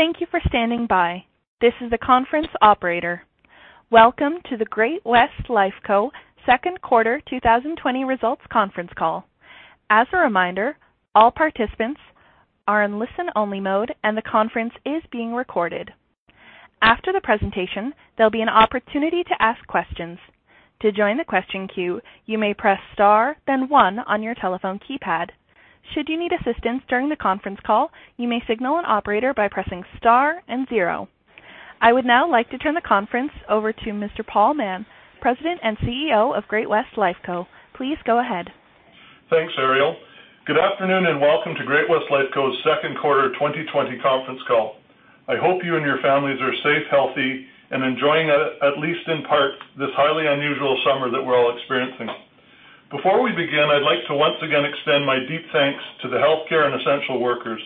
Welcome to the Great-West Lifeco second quarter 2020 results conference call. As a reminder, all participants are in listen-only mode and the conference is being recorded. After the presentation, there'll be an opportunity to ask questions. I would now like to turn the conference over to Mr. Paul Mahon, President and CEO of Great-West Lifeco. Please go ahead. Thanks, Ariel. Good afternoon and welcome to Great-West Lifeco's second quarter 2020 conference call. I hope you and your families are safe, healthy, and enjoying, at least in part, this highly unusual summer that we're all experiencing. Before we begin, I'd like to once again extend my deep thanks to the healthcare and essential workers.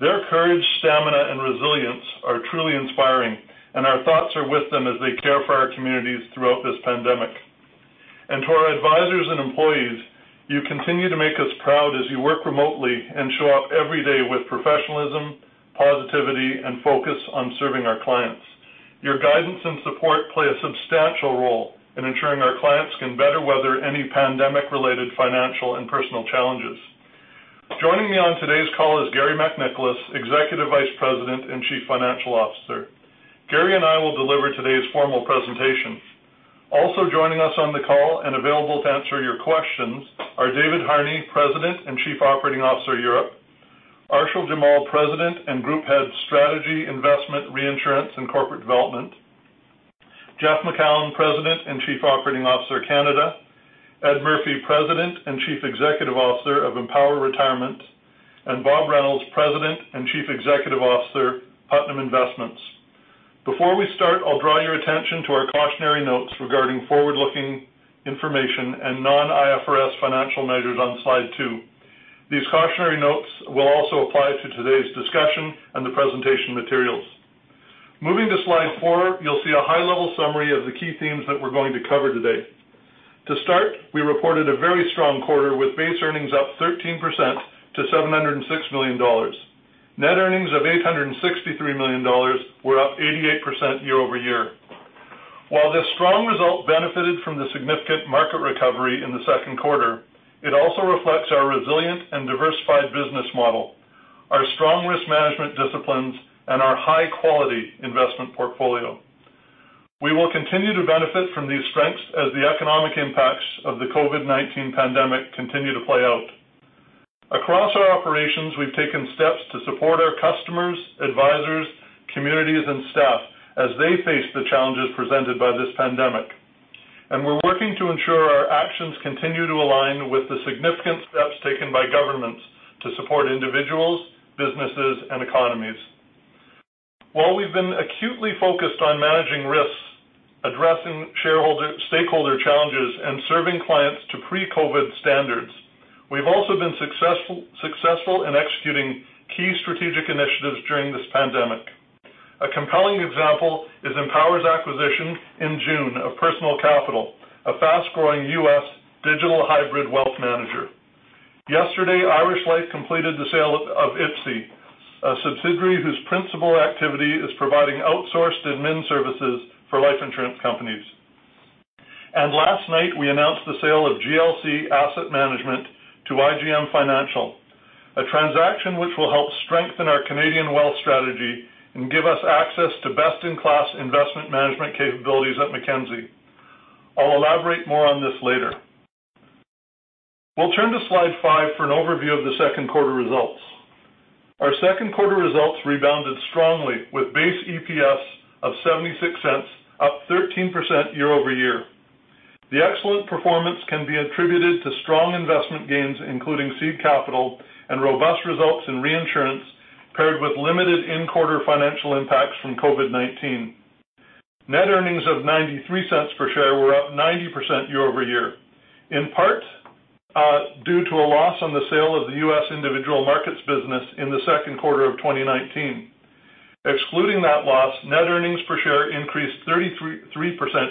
Their courage, stamina, and resilience are truly inspiring, and our thoughts are with them as they care for our communities throughout this pandemic. To our advisors and employees, you continue to make us proud as you work remotely and show up every day with professionalism, positivity, and focus on serving our clients. Your guidance and support play a substantial role in ensuring our clients can better weather any pandemic-related financial and personal challenges. Joining me on today's call is Garry MacNicholas, Executive Vice-President and Chief Financial Officer. Garry and I will deliver today's formal presentation. Also joining us on the call and available to answer your questions are David Harney, President and Chief Operating Officer, Europe; Arshil Jamal, President and Group Head, Strategy, Investments, Reinsurance and Corporate Development; Jeff Macoun, President and Chief Operating Officer, Canada; Ed Murphy, President and Chief Executive Officer of Empower Retirement; and Bob Reynolds, President and Chief Executive Officer, Putnam Investments. Before we start, I'll draw your attention to our cautionary notes regarding forward-looking information and non-IFRS financial measures on slide two. These cautionary notes will also apply to today's discussion and the presentation materials. Moving to slide four, you'll see a high-level summary of the key themes that we're going to cover today. To start, we reported a very strong quarter with base earnings up 13% to 706 million dollars. Net earnings of 863 million dollars were up 88% year-over-year. While this strong result benefited from the significant market recovery in the second quarter, it also reflects our resilient and diversified business model, our strong risk management disciplines, and our high-quality investment portfolio. We will continue to benefit from these strengths as the economic impacts of the COVID-19 pandemic continue to play out. Across our operations, we've taken steps to support our customers, advisors, communities, and staff as they face the challenges presented by this pandemic. We're working to ensure our actions continue to align with the significant steps taken by governments to support individuals, businesses, and economies. While we've been acutely focused on managing risks, addressing stakeholder challenges, and serving clients to pre-COVID standards, we've also been successful in executing key strategic initiatives during this pandemic. A compelling example is Empower's acquisition in June of Personal Capital, a fast-growing U.S. digital hybrid wealth manager. Yesterday, Irish Life completed the sale of IPSI, a subsidiary whose principal activity is providing outsourced admin services for life insurance companies. Last night, we announced the sale of GLC Asset Management to IGM Financial, a transaction which will help strengthen our Canadian wealth strategy and give us access to best-in-class investment management capabilities at Mackenzie. I'll elaborate more on this later. We'll turn to slide five for an overview of the second quarter results. Our second quarter results rebounded strongly with base EPS of 0.76, up 13% year-over-year. The excellent performance can be attributed to strong investment gains, including seed capital and robust results in reinsurance, paired with limited in-quarter financial impacts from COVID-19. Net earnings of 0.93 per share were up 90% year-over-year, in part due to a loss on the sale of the U.S. Individual Markets business in the second quarter of 2019. Excluding that loss, net earnings per share increased 33%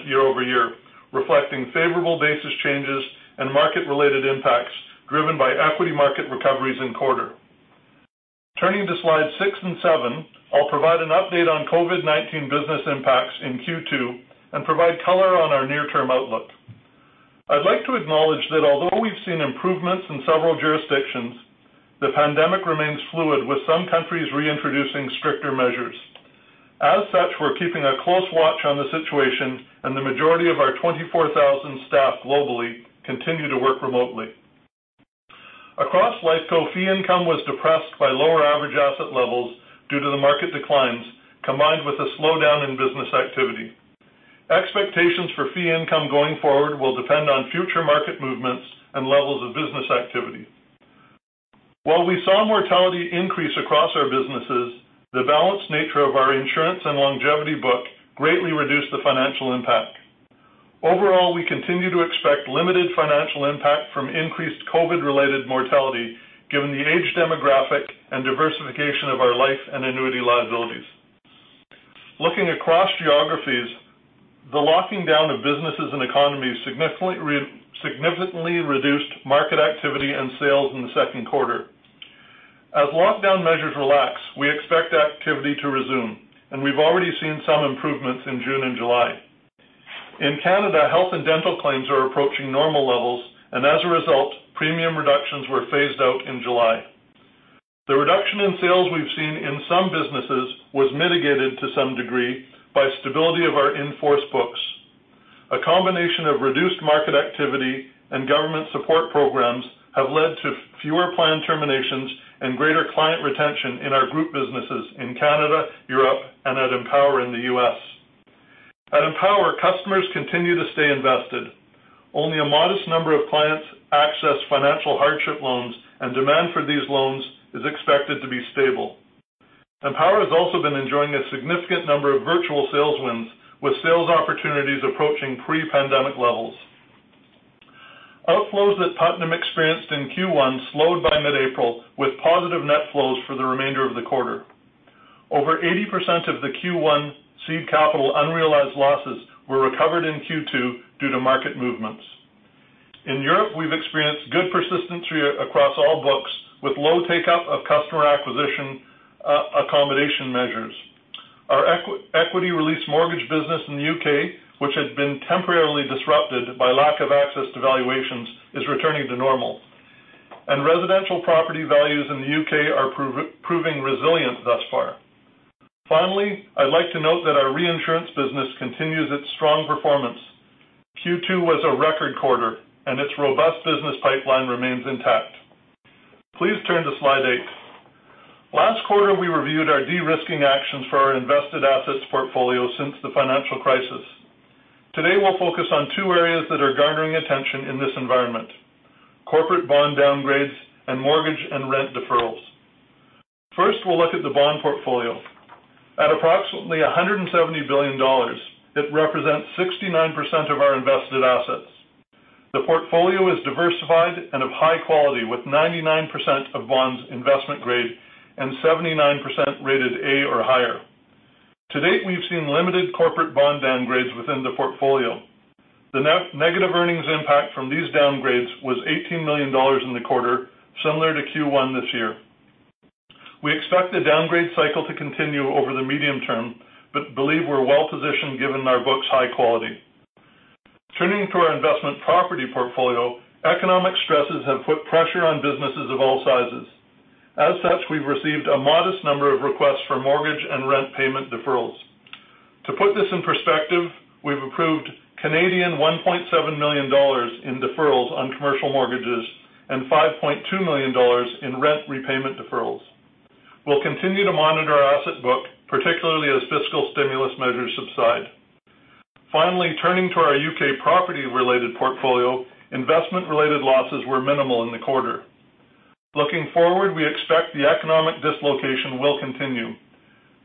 year-over-year, reflecting favorable basis changes and market-related impacts driven by equity market recoveries in quarter. Turning to slides six and seven, I'll provide an update on COVID-19 business impacts in Q2 and provide color on our near-term outlook. I'd like to acknowledge that although we've seen improvements in several jurisdictions, the pandemic remains fluid with some countries reintroducing stricter measures. As such, we're keeping a close watch on the situation and the majority of our 24,000 staff globally continue to work remotely. Across Lifeco, fee income was depressed by lower average asset levels due to the market declines combined with a slowdown in business activity. Expectations for fee income going forward will depend on future market movements and levels of business activity. While we saw mortality increase across our businesses, the balanced nature of our insurance and longevity book greatly reduced the financial impact. Overall, we continue to expect limited financial impact from increased COVID-related mortality given the age demographic and diversification of our life and annuity liabilities. Looking across geographies, the locking down of businesses and economies significantly reduced market activity and sales in the second quarter. As lockdown measures relax, we expect activity to resume, and we've already seen some improvements in June and July. In Canada, health and dental claims are approaching normal levels, and as a result, premium reductions were phased out in July. The reduction in sales we've seen in some businesses was mitigated to some degree by stability of our in-force books. A combination of reduced market activity and government support programs have led to fewer plan terminations and greater client retention in our group businesses in Canada, Europe, and at Empower in the U.S. At Empower, customers continue to stay invested. Only a modest number of clients access financial hardship loans, and demand for these loans is expected to be stable. Empower has also been enjoying a significant number of virtual sales wins, with sales opportunities approaching pre-pandemic levels. Outflows that Putnam experienced in Q1 slowed by mid-April, with positive net flows for the remainder of the quarter. Over 80% of the Q1 seed capital unrealized losses were recovered in Q2 due to market movements. In Europe, we've experienced good persistency across all books, with low take-up of customer acquisition accommodation measures. Our equity release mortgage business in the U.K., which had been temporarily disrupted by lack of access to valuations, is returning to normal. Residential property values in the U.K. are proving resilient thus far. Finally, I'd like to note that our reinsurance business continues its strong performance. Q2 was a record quarter, and its robust business pipeline remains intact. Please turn to slide eight. Last quarter, we reviewed our de-risking actions for our invested assets portfolio since the financial crisis. Today, we'll focus on two areas that are garnering attention in this environment: corporate bond downgrades and mortgage and rent deferrals. First, we'll look at the bond portfolio. At approximately 170 billion dollars, it represents 69% of our invested assets. The portfolio is diversified and of high quality, with 99% of bonds investment grade and 79% rated A or higher. To date, we've seen limited corporate bond downgrades within the portfolio. The negative earnings impact from these downgrades was 18 million dollars in the quarter, similar to Q1 this year. We expect the downgrade cycle to continue over the medium term, but believe we're well positioned given our books' high quality. Turning to our investment property portfolio, economic stresses have put pressure on businesses of all sizes. As such, we've received a modest number of requests for mortgage and rent payment deferrals. To put this in perspective, we've approved 1.7 million Canadian dollars in deferrals on commercial mortgages and 5.2 million dollars in rent repayment deferrals. We'll continue to monitor our asset book, particularly as fiscal stimulus measures subside. Finally, turning to our U.K. property related portfolio, investment related losses were minimal in the quarter. Looking forward, we expect the economic dislocation will continue,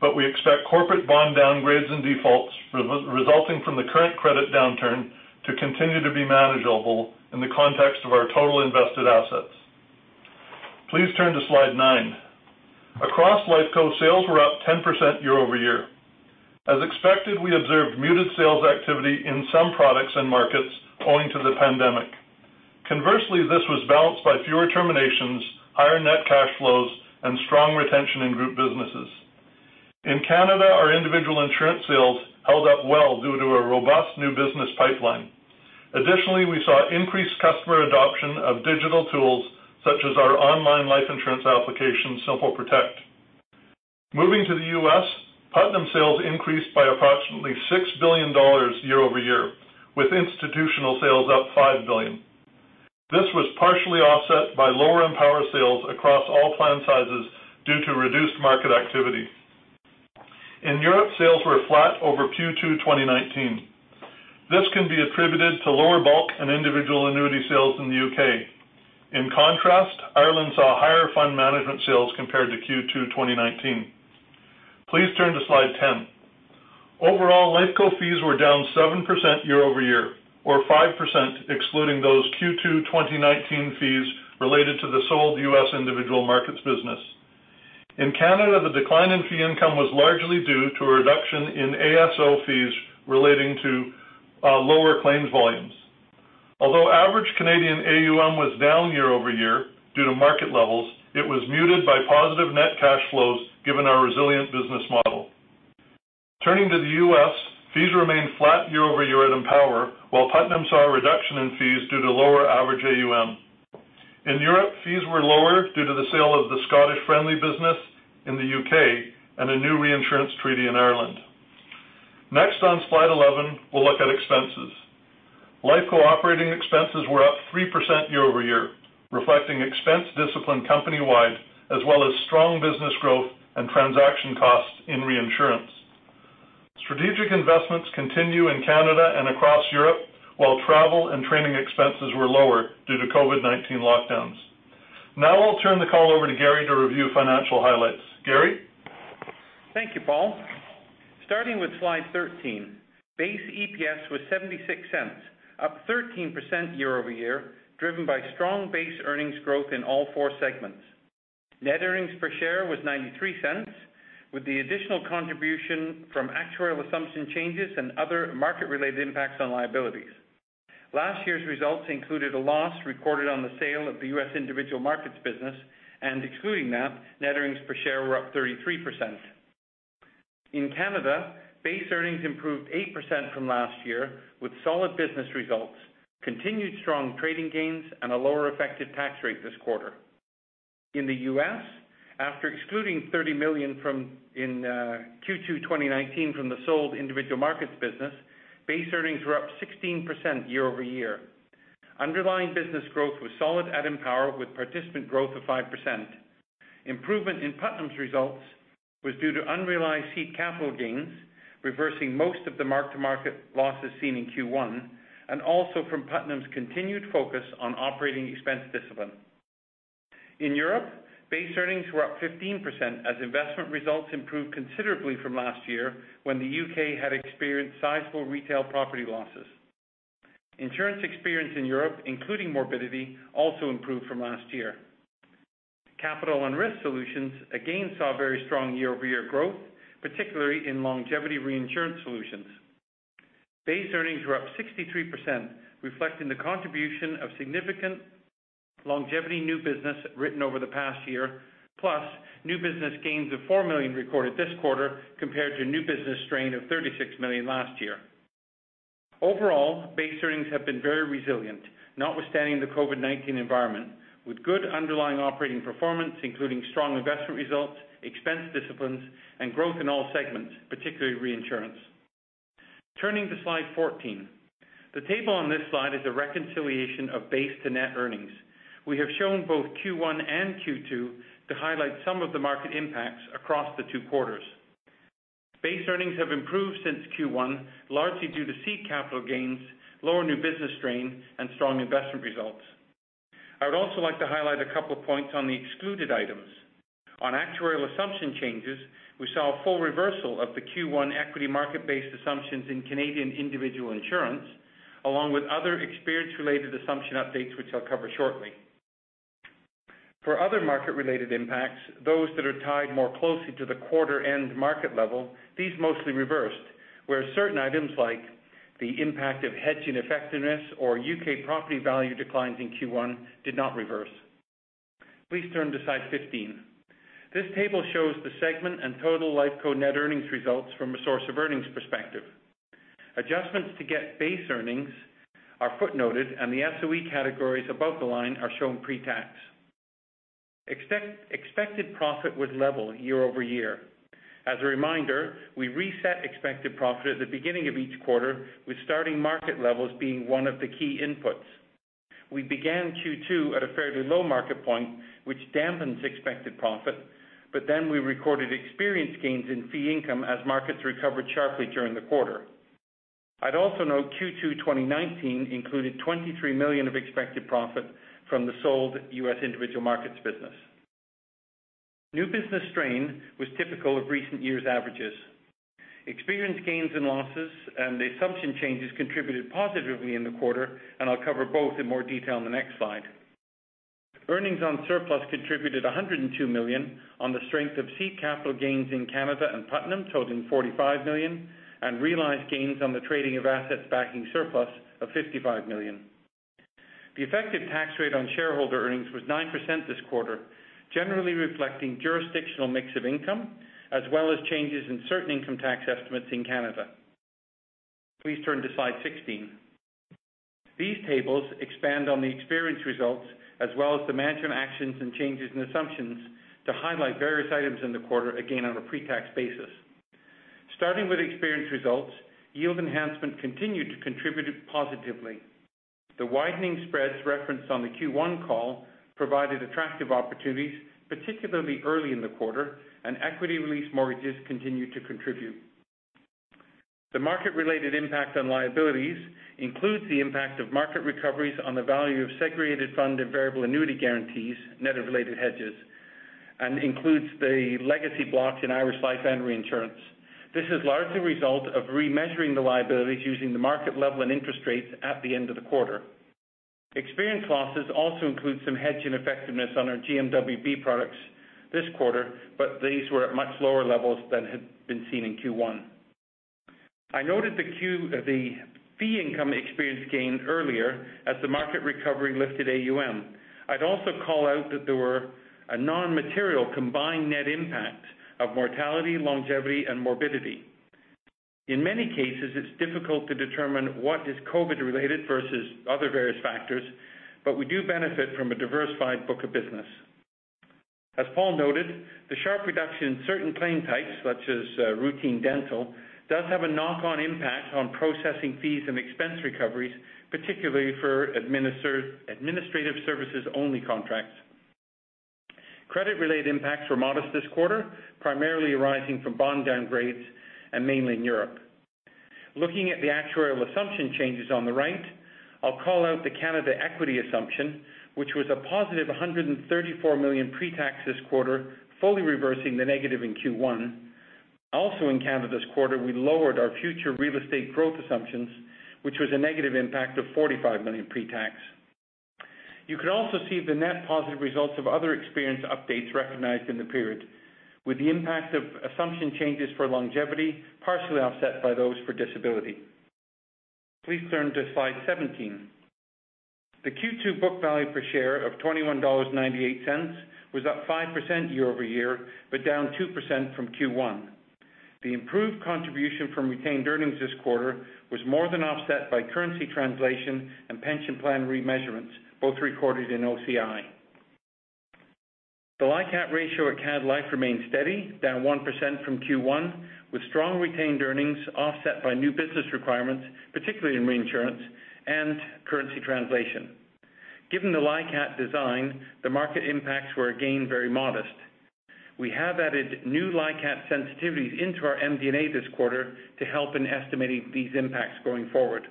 but we expect corporate bond downgrades and defaults resulting from the current credit downturn to continue to be manageable in the context of our total invested assets. Please turn to slide nine. Across Lifeco, sales were up 10% year-over-year. As expected, we observed muted sales activity in some products and markets owing to the pandemic. Conversely, this was balanced by fewer terminations, higher net cash flows, and strong retention in group businesses. In Canada, our individual insurance sales held up well due to a robust new business pipeline. Additionally, we saw increased customer adoption of digital tools, such as our online life insurance application, Simple Protect. Moving to the U.S., Putnam sales increased by approximately 6 billion dollars year-over-year, with institutional sales up 5 billion. This was partially offset by lower Empower sales across all plan sizes due to reduced market activity. In Europe, sales were flat over Q2 2019. This can be attributed to lower bulk and individual annuity sales in the U.K. In contrast, Ireland saw higher fund management sales compared to Q2 2019. Please turn to slide 10. Overall, Lifeco fees were down 7% year-over-year, or 5% excluding those Q2 2019 fees related to the sold U.S. Individual Markets business. In Canada, the decline in fee income was largely due to a reduction in ASO fees relating to lower claims volumes. Although average Canadian AUM was down year-over-year due to market levels, it was muted by positive net cash flows given our resilient business model. Turning to the U.S., fees remained flat year-over-year at Empower, while Putnam saw a reduction in fees due to lower average AUM. In Europe, fees were lower due to the sale of the Scottish Friendly business in the U.K. and a new reinsurance treaty in Ireland. Next on slide 11, we'll look at expenses. Lifeco operating expenses were up 3% year-over-year, reflecting expense discipline company-wide, as well as strong business growth and transaction costs in reinsurance. Strategic investments continue in Canada and across Europe, while travel and training expenses were lower due to COVID-19 lockdowns. Now I'll turn the call over to Garry to review financial highlights. Garry? Thank you, Paul. Starting with slide 13, base EPS was 0.76, up 13% year-over-year, driven by strong base earnings growth in all four segments. Net earnings per share was 0.93 with the additional contribution from actuarial assumption changes and other market related impacts on liabilities. Last year's results included a loss recorded on the sale of the U.S. Individual Markets business and excluding that, net earnings per share were up 33%. In Canada, base earnings improved 8% from last year with solid business results, continued strong trading gains and a lower effective tax rate this quarter. In the U.S., after excluding 30 million in Q2 2019 from the sold Individual Markets business, base earnings were up 16% year-over-year. Underlying business growth was solid at Empower with participant growth of 5%. Improvement in Putnam's results was due to unrealized seed capital gains, reversing most of the mark-to-market losses seen in Q1, also from Putnam's continued focus on operating expense discipline. In Europe, base earnings were up 15% as investment results improved considerably from last year when the U.K. had experienced sizable retail property losses. Insurance experience in Europe, including morbidity, also improved from last year. Capital and Risk Solutions again saw very strong year-over-year growth, particularly in longevity reinsurance solutions. Base earnings were up 63%, reflecting the contribution of significant longevity new business written over the past year, plus new business gains of 4 million recorded this quarter compared to new business strain of 36 million last year. Overall, base earnings have been very resilient, notwithstanding the COVID-19 environment, with good underlying operating performance including strong investment results, expense disciplines, and growth in all segments, particularly reinsurance. Turning to slide 14. The table on this slide is a reconciliation of base to net earnings. We have shown both Q1 and Q2 to highlight some of the market impacts across the two quarters. Base earnings have improved since Q1, largely due to seed capital gains, lower new business strain, and strong investment results. I would also like to highlight a couple of points on the excluded items. On actuarial assumption changes, we saw a full reversal of the Q1 equity market based assumptions in Canadian individual insurance, along with other experience related assumption updates, which I'll cover shortly. For other market related impacts, those that are tied more closely to the quarter end market level, these mostly reversed, where certain items like the impact of hedging effectiveness or U.K. property value declines in Q1 did not reverse. Please turn to slide 15. This table shows the segment and total Lifeco net earnings results from a source of earnings perspective. Adjustments to get base earnings are footnoted and the SOE categories above the line are shown pre-tax. Expected profit was level year-over-year. As a reminder, we reset expected profit at the beginning of each quarter with starting market levels being one of the key inputs. We began Q2 at a fairly low market point, which dampens expected profit, but then we recorded experience gains in fee income as markets recovered sharply during the quarter. I'd also note Q2 2019 included 23 million of expected profit from the sold U.S. Individual Markets business. New business strain was typical of recent years' averages. Experience gains and losses and the assumption changes contributed positively in the quarter, and I'll cover both in more detail in the next slide. Earnings on surplus contributed 102 million on the strength of seed capital gains in Canada and Putnam, totaling 45 million, and realized gains on the trading of assets backing surplus of 55 million. The effective tax rate on shareholder earnings was 9% this quarter, generally reflecting jurisdictional mix of income, as well as changes in certain income tax estimates in Canada. Please turn to slide 16. These tables expand on the experience results as well as the management actions and changes in assumptions to highlight various items in the quarter, again on a pre-tax basis. Starting with experience results, yield enhancement continued to contribute positively. The widening spreads referenced on the Q1 call provided attractive opportunities, particularly early in the quarter, and equity release mortgages continued to contribute. The market related impact on liabilities includes the impact of market recoveries on the value of segregated fund and variable annuity guarantees, net of related hedges, and includes the legacy blocks in Irish Life and Reinsurance. This is largely a result of remeasuring the liabilities using the market level and interest rates at the end of the quarter. Experience losses also include some hedging effectiveness on our GMWB products this quarter, but these were at much lower levels than had been seen in Q1. I noted the fee income experience gained earlier as the market recovery lifted AUM. I'd also call out that there were a non-material combined net impact of mortality, longevity, and morbidity. In many cases, it's difficult to determine what is COVID-19 related versus other various factors, but we do benefit from a diversified book of business. As Paul noted, the sharp reduction in certain claim types, such as routine dental, does have a knock-on impact on processing fees and expense recoveries, particularly for administrative services only contracts. Credit related impacts were modest this quarter, primarily arising from bond downgrades and mainly in Europe. Looking at the actuarial assumption changes on the right, I'll call out the Canada equity assumption, which was a positive 134 million pre-tax this quarter, fully reversing the negative in Q1. Also in Canada this quarter, we lowered our future real estate growth assumptions, which was a negative impact of 45 million pre-tax. You can also see the net positive results of other experience updates recognized in the period, with the impact of assumption changes for longevity partially offset by those for disability. Please turn to slide 17. The Q2 book value per share of 21.98 dollars was up 5% year-over-year, but down 2% from Q1. The improved contribution from retained earnings this quarter was more than offset by currency translation and pension plan remeasurements, both recorded in OCI. The LICAT ratio at Canada Life remained steady, down 1% from Q1, with strong retained earnings offset by new business requirements, particularly in reinsurance and currency translation. Given the LICAT design, the market impacts were again very modest. We have added new LICAT sensitivities into our MD&A this quarter to help in estimating these impacts going forward.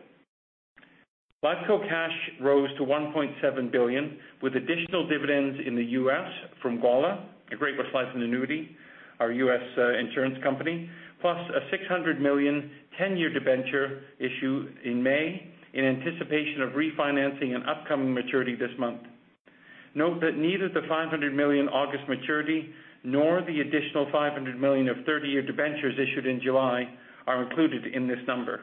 Lifeco cash rose to 1.7 billion, with additional dividends in the U.S. from GWLA, the Great-West Life & Annuity, our U.S. insurance company, plus a 600 million 10-year debenture issued in May in anticipation of refinancing an upcoming maturity this month. Note that neither the 500 million August maturity nor the additional 500 million of 30-year debentures issued in July are included in this number.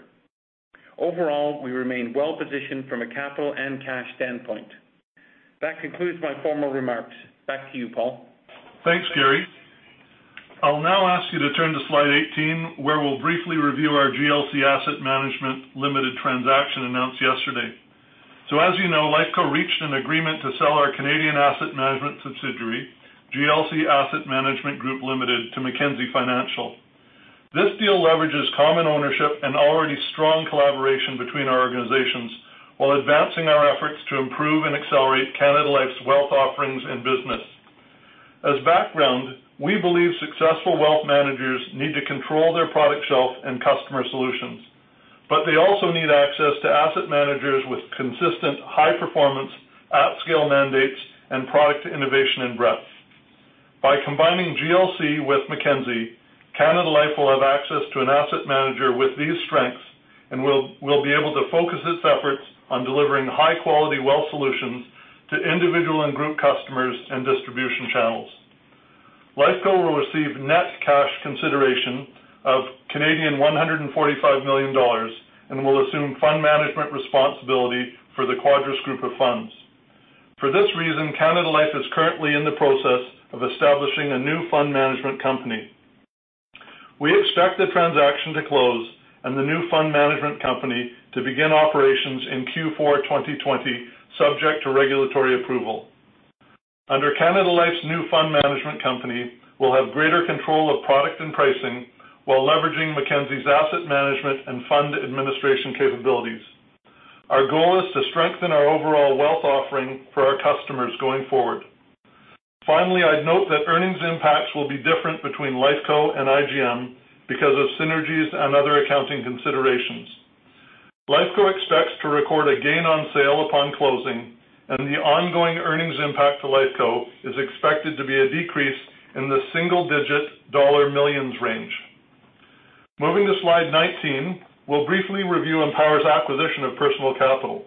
Overall, we remain well positioned from a capital and cash standpoint. That concludes my formal remarks. Back to you, Paul. Thanks, Garry. I'll now ask you to turn to slide 18, where we'll briefly review our GLC Asset Management Group Limited transaction announced yesterday. As you know, Lifeco reached an agreement to sell our Canadian asset management subsidiary, GLC Asset Management Group Limited, to Mackenzie Financial. This deal leverages common ownership and already strong collaboration between our organizations while advancing our efforts to improve and accelerate Canada Life's wealth offerings and business. As background, we believe successful wealth managers need to control their product shelf and customer solutions. They also need access to asset managers with consistent high performance, at-scale mandates, and product innovation and breadth. By combining GLC with Mackenzie, Canada Life will have access to an asset manager with these strengths and will be able to focus its efforts on delivering high-quality wealth solutions to individual and group customers and distribution channels. Lifeco will receive net cash consideration of 145 million Canadian dollars and will assume fund management responsibility for the Quadrus Group of Funds. For this reason, Canada Life is currently in the process of establishing a new fund management company. We expect the transaction to close and the new fund management company to begin operations in Q4 2020, subject to regulatory approval. Under Canada Life's new fund management company, we'll have greater control of product and pricing while leveraging Mackenzie's asset management and fund administration capabilities. Our goal is to strengthen our overall wealth offering for our customers going forward. I'd note that earnings impacts will be different between Lifeco and IGM because of synergies and other accounting considerations. Lifeco expects to record a gain on sale upon closing, and the ongoing earnings impact to Lifeco is expected to be a decrease in the single-digit dollar millions range. Moving to slide 19, we'll briefly review Empower's acquisition of Personal Capital.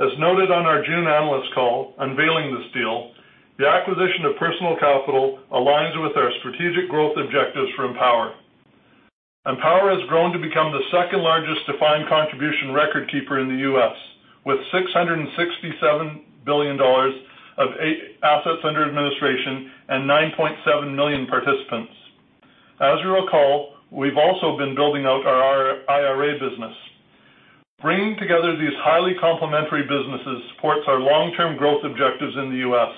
As noted on our June analyst call unveiling this deal, the acquisition of Personal Capital aligns with our strategic growth objectives for Empower. Empower has grown to become the second largest defined contribution record keeper in the U.S., with $667 billion of assets under administration and 9.7 million participants. As you recall, we've also been building out our IRA business. Bringing together these highly complementary businesses supports our long-term growth objectives in the U.S.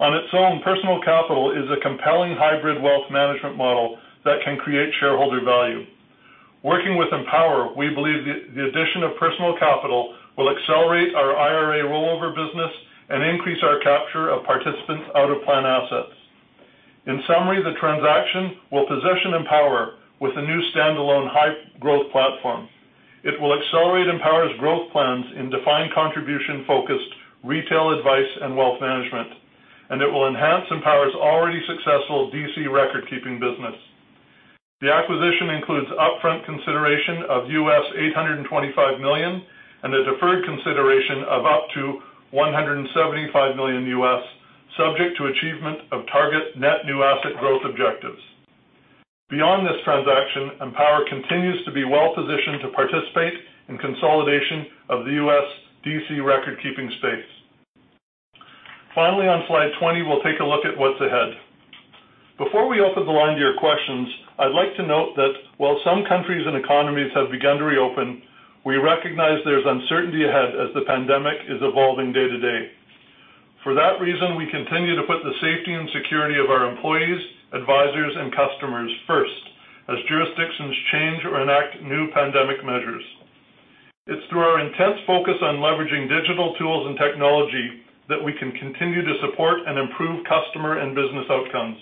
On its own, Personal Capital is a compelling hybrid wealth management model that can create shareholder value. Working with Empower, we believe the addition of Personal Capital will accelerate our IRA rollover business and increase our capture of participants' out-of-plan assets. In summary, the transaction will position Empower with a new standalone high growth platform. It will accelerate Empower's growth plans in defined contribution focused retail advice and wealth management, and it will enhance Empower's already successful DC record-keeping business. The acquisition includes upfront consideration of $825 million and a deferred consideration of up to $175 million U.S., subject to achievement of target net new asset growth objectives. Beyond this transaction, Empower continues to be well positioned to participate in consolidation of the U.S. DC record-keeping space. Finally, on slide 20, we'll take a look at what's ahead. Before we open the line to your questions, I'd like to note that while some countries and economies have begun to reopen, we recognize there's uncertainty ahead as the pandemic is evolving day to day. For that reason, we continue to put the safety and security of our employees, advisors, and customers first as jurisdictions change or enact new pandemic measures. It's through our intense focus on leveraging digital tools and technology that we can continue to support and improve customer and business outcomes,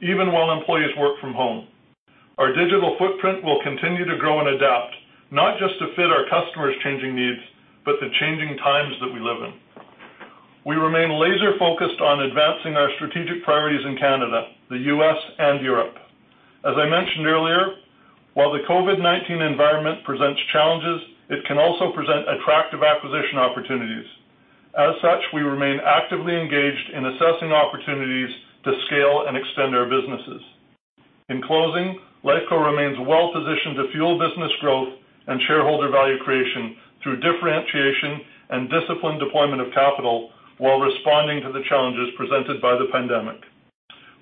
even while employees work from home. Our digital footprint will continue to grow and adapt, not just to fit our customers' changing needs, but the changing times that we live in. We remain laser focused on advancing our strategic priorities in Canada, the U.S., and Europe. As I mentioned earlier, while the COVID-19 environment presents challenges, it can also present attractive acquisition opportunities. We remain actively engaged in assessing opportunities to scale and extend our businesses. In closing, Lifeco remains well-positioned to fuel business growth and shareholder value creation through differentiation and disciplined deployment of capital while responding to the challenges presented by the pandemic.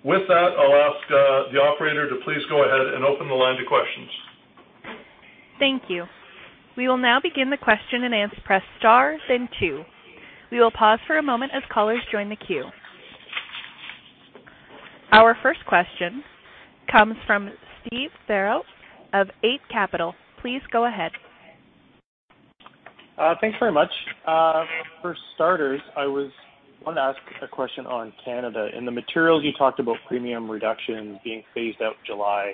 I'll ask the operator to please go ahead and open the line to questions. Thank you. We will now begin the question-and-answer. Press star then two. We will pause for a moment as callers join the queue. Our first question comes from Steve Theriault of Eight Capital. Please go ahead. Thanks very much. For starters, I wanted to ask a question on Canada. In the materials, you talked about premium reduction being phased out July.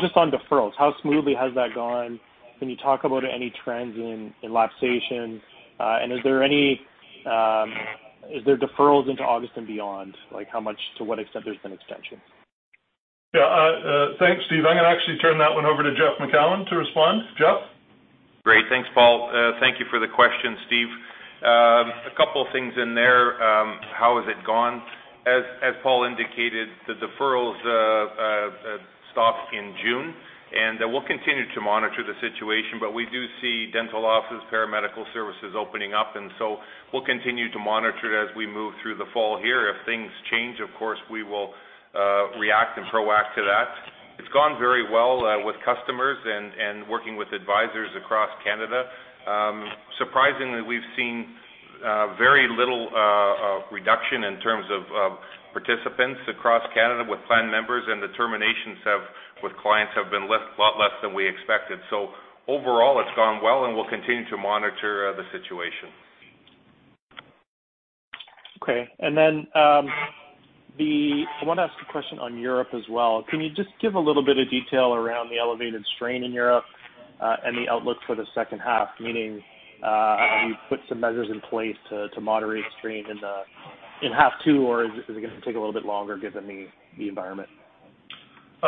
Just on deferrals, how smoothly has that gone? Can you talk about any trends in lapsation? Is there deferrals into August and beyond? Like how much, to what extent there's been extensions? Yeah. Thanks, Steve. I'm going to actually turn that one over to Jeff Macoun to respond. Jeff? Great. Thanks, Paul. Thank you for the question, Steve. A couple things in there. How has it gone? As Paul indicated, the deferrals stopped in June, and we'll continue to monitor the situation. We do see dental offices, paramedical services opening up, and so we'll continue to monitor it as we move through the fall here. If things change, of course, we will react and proact to that. It's gone very well with customers and working with advisors across Canada. Surprisingly, we've seen very little reduction in terms of participants across Canada with plan members, and the terminations with clients have been a lot less than we expected. Overall, it's gone well, and we'll continue to monitor the situation. Okay. I want to ask a question on Europe as well. Can you just give a little bit of detail around the elevated strain in Europe and the outlook for the second half? Meaning, have you put some measures in place to moderate strain in half two or is it going to take a little bit longer given the environment?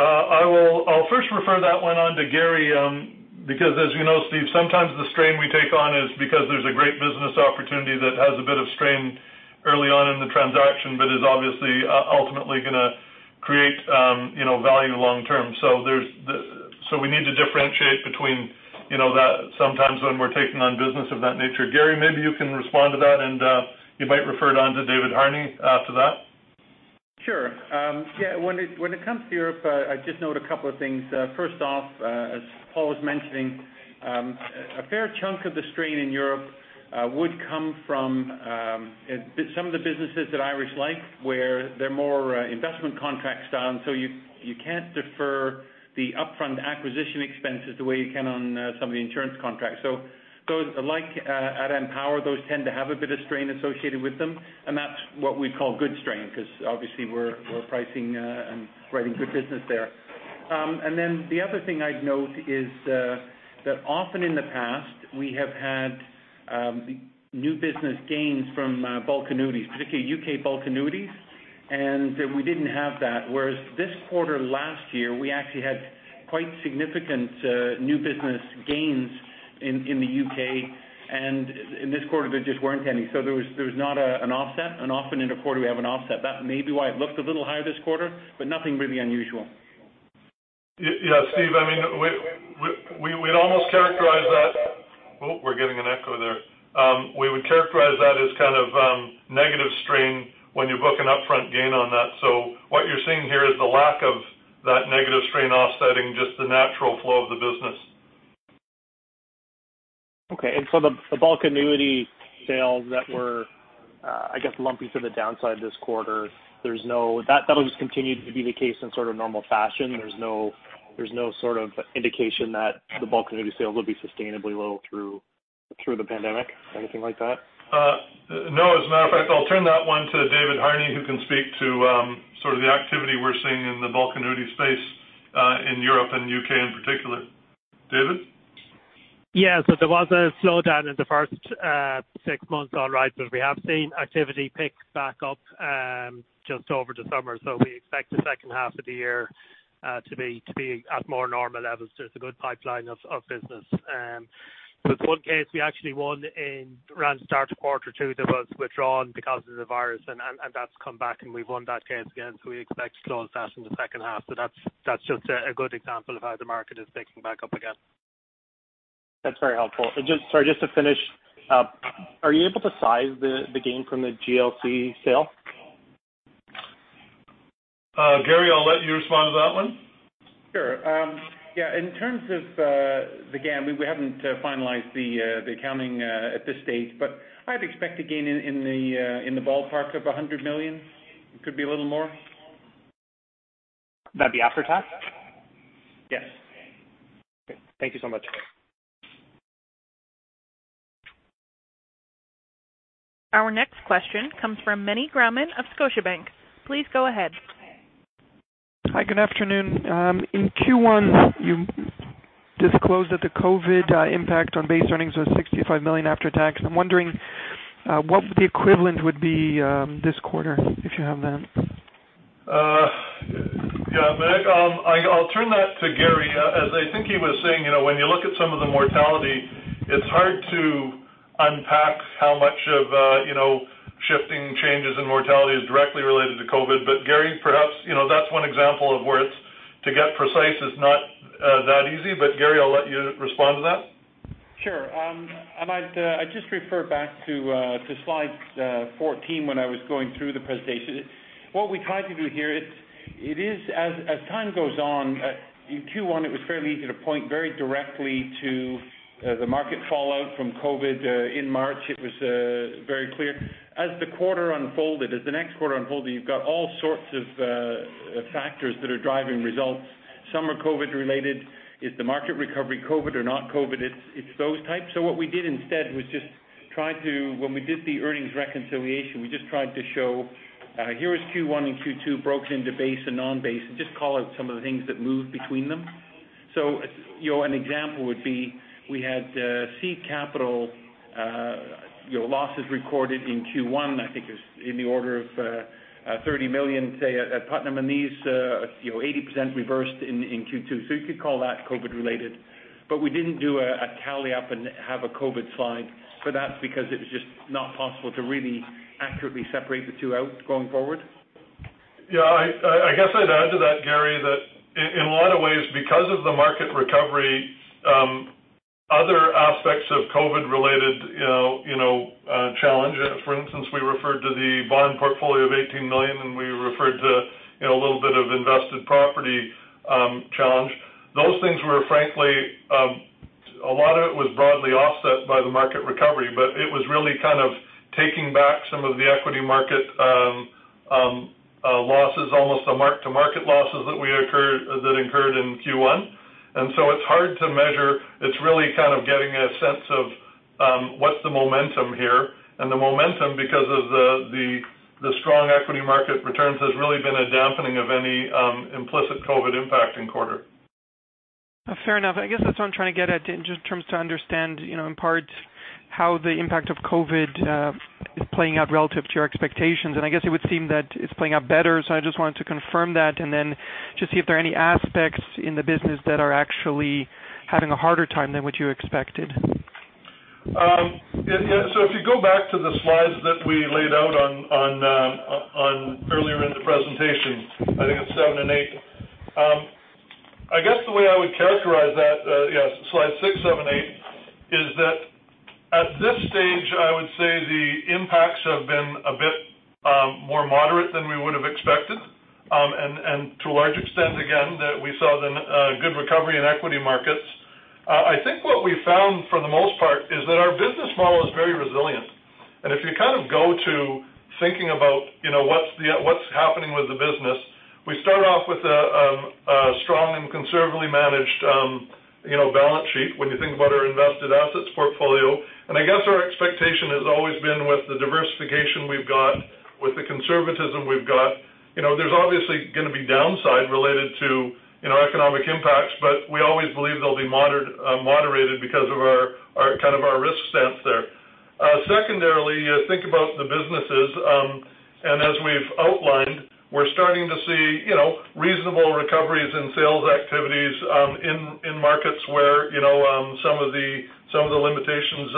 I'll first refer that one on to Garry because as you know, Steve, sometimes the strain we take on is because there's a great business opportunity that has a bit of strain early on in the transaction, but is obviously, ultimately going to create value long term. We need to differentiate between that sometimes when we're taking on business of that nature. Garry, maybe you can respond to that and you might refer it on to David Harney after that. Sure. Yeah, when it comes to Europe, I'd just note a couple of things. First off, as Paul was mentioning, a fair chunk of the strain in Europe would come from some of the businesses that Irish Life, where they're more investment contract style, you can't defer the upfront acquisition expenses the way you can on some of the insurance contracts. Those like at Empower, those tend to have a bit of strain associated with them, that's what we'd call good strain because obviously we're pricing and writing good business there. The other thing I'd note is that often in the past, we have had new business gains from bulk annuities, particularly U.K. bulk annuities, we didn't have that. Whereas this quarter last year, we actually had quite significant new business gains in the U.K. In this quarter, there just weren't any. There was not an offset, and often in a quarter, we have an offset. That may be why it looked a little higher this quarter, but nothing really unusual. Yeah, Steve, Oh, we're getting an echo there. We would characterize that as kind of negative strain when you book an upfront gain on that. What you're seeing here is the lack of that negative strain offsetting just the natural flow of the business. Okay. The bulk annuity sales that were, I guess, lumpy to the downside this quarter, that'll just continue to be the case in sort of normal fashion? There's no sort of indication that the bulk annuity sales will be sustainably low through the pandemic or anything like that? No, as a matter of fact, I'll turn that one to David Harney, who can speak to sort of the activity we're seeing in the bulk annuity space in Europe and U.K. in particular. David? Yeah. There was a slowdown in the first six months, all right, but we have seen activity pick back up just over the summer. We expect the second half of the year to be at more normal levels. There's a good pipeline of business. With one case, we actually won around the start of quarter two that was withdrawn because of the virus, and that's come back, and we've won that case again, we expect to close that in the second half. That's just a good example of how the market is picking back up again. That's very helpful. Sorry, just to finish up, are you able to size the gain from the GLC sale? Garry, I'll let you respond to that one. Sure. Yeah, in terms of the gain, we haven't finalized the accounting at this stage, but I'd expect a gain in the ballpark of 100 million. It could be a little more. That'd be after tax? Yes. Okay. Thank you so much. Our next question comes from Meny Grauman of Scotiabank. Please go ahead. Hi, good afternoon. In Q1, you disclosed that the COVID-19 impact on base earnings was 65 million after tax. I'm wondering what the equivalent would be this quarter, if you have that. Yeah, Meny, I'll turn that to Garry, as I think he was saying, when you look at some of the mortality, it's hard to unpack how much of shifting changes in mortality is directly related to COVID. Garry, perhaps, that's one example of where to get precise is not that easy. Garry, I'll let you respond to that. Sure. I might just refer back to slide 14 when I was going through the presentation. What we tried to do here, as time goes on, in Q1, it was fairly easy to point very directly to the market fallout from COVID in March. It was very clear. As the quarter unfolded, as the next quarter unfolded, you've got all sorts of factors that are driving results. Some are COVID related. Is the market recovery COVID or not COVID? It's those types. What we did instead was just try to, when we did the earnings reconciliation, we just tried to show here is Q1 and Q2 broken into base and non-base, and just call out some of the things that move between them. An example would be, we had seed capital losses recorded in Q1, I think it was in the order of 30 million, say, at Putnam, and these 80% reversed in Q2. You could call that COVID related, but we didn't do a tally up and have a COVID slide for that because it was just not possible to really accurately separate the two out going forward. Yeah, I guess I'd add to that, Garry, that in a lot of ways, because of the market recovery, other aspects of COVID-related challenges. For instance, we referred to the bond portfolio of 18 million, we referred to a little bit of invested property challenge. Those things were, frankly, a lot of it was broadly offset by the market recovery, but it was really kind of taking back some of the equity market losses, almost the mark-to-market losses that incurred in Q1. It's hard to measure. It's really kind of getting a sense of what's the momentum here. The momentum because of the strong equity market returns has really been a dampening of any implicit COVID impact in quarter. Fair enough. I guess that's what I'm trying to get at in terms to understand in part how the impact of COVID is playing out relative to your expectations. I guess it would seem that it's playing out better. I just wanted to confirm that and then just see if there are any aspects in the business that are actually having a harder time than what you expected. If you go back to the slides that we laid out earlier in the presentation, I think it's seven and eight. I guess the way I would characterize that, yes, slide six, seven, eight, is that at this stage, I would say the impacts have been a bit more moderate than we would have expected. To a large extent, again, that we saw the good recovery in equity markets. I think what we found for the most part is that our business model is very resilient. If you go to thinking about what's happening with the business, we start off with a strong and conservatively managed balance sheet when you think about our invested assets portfolio. I guess our expectation has always been with the diversification we've got, with the conservatism we've got, there's obviously going to be downside related to economic impacts, but we always believe they'll be moderated because of our risk stance there. Secondarily, think about the businesses, and as we've outlined, we're starting to see reasonable recoveries in sales activities in markets where some of the limitations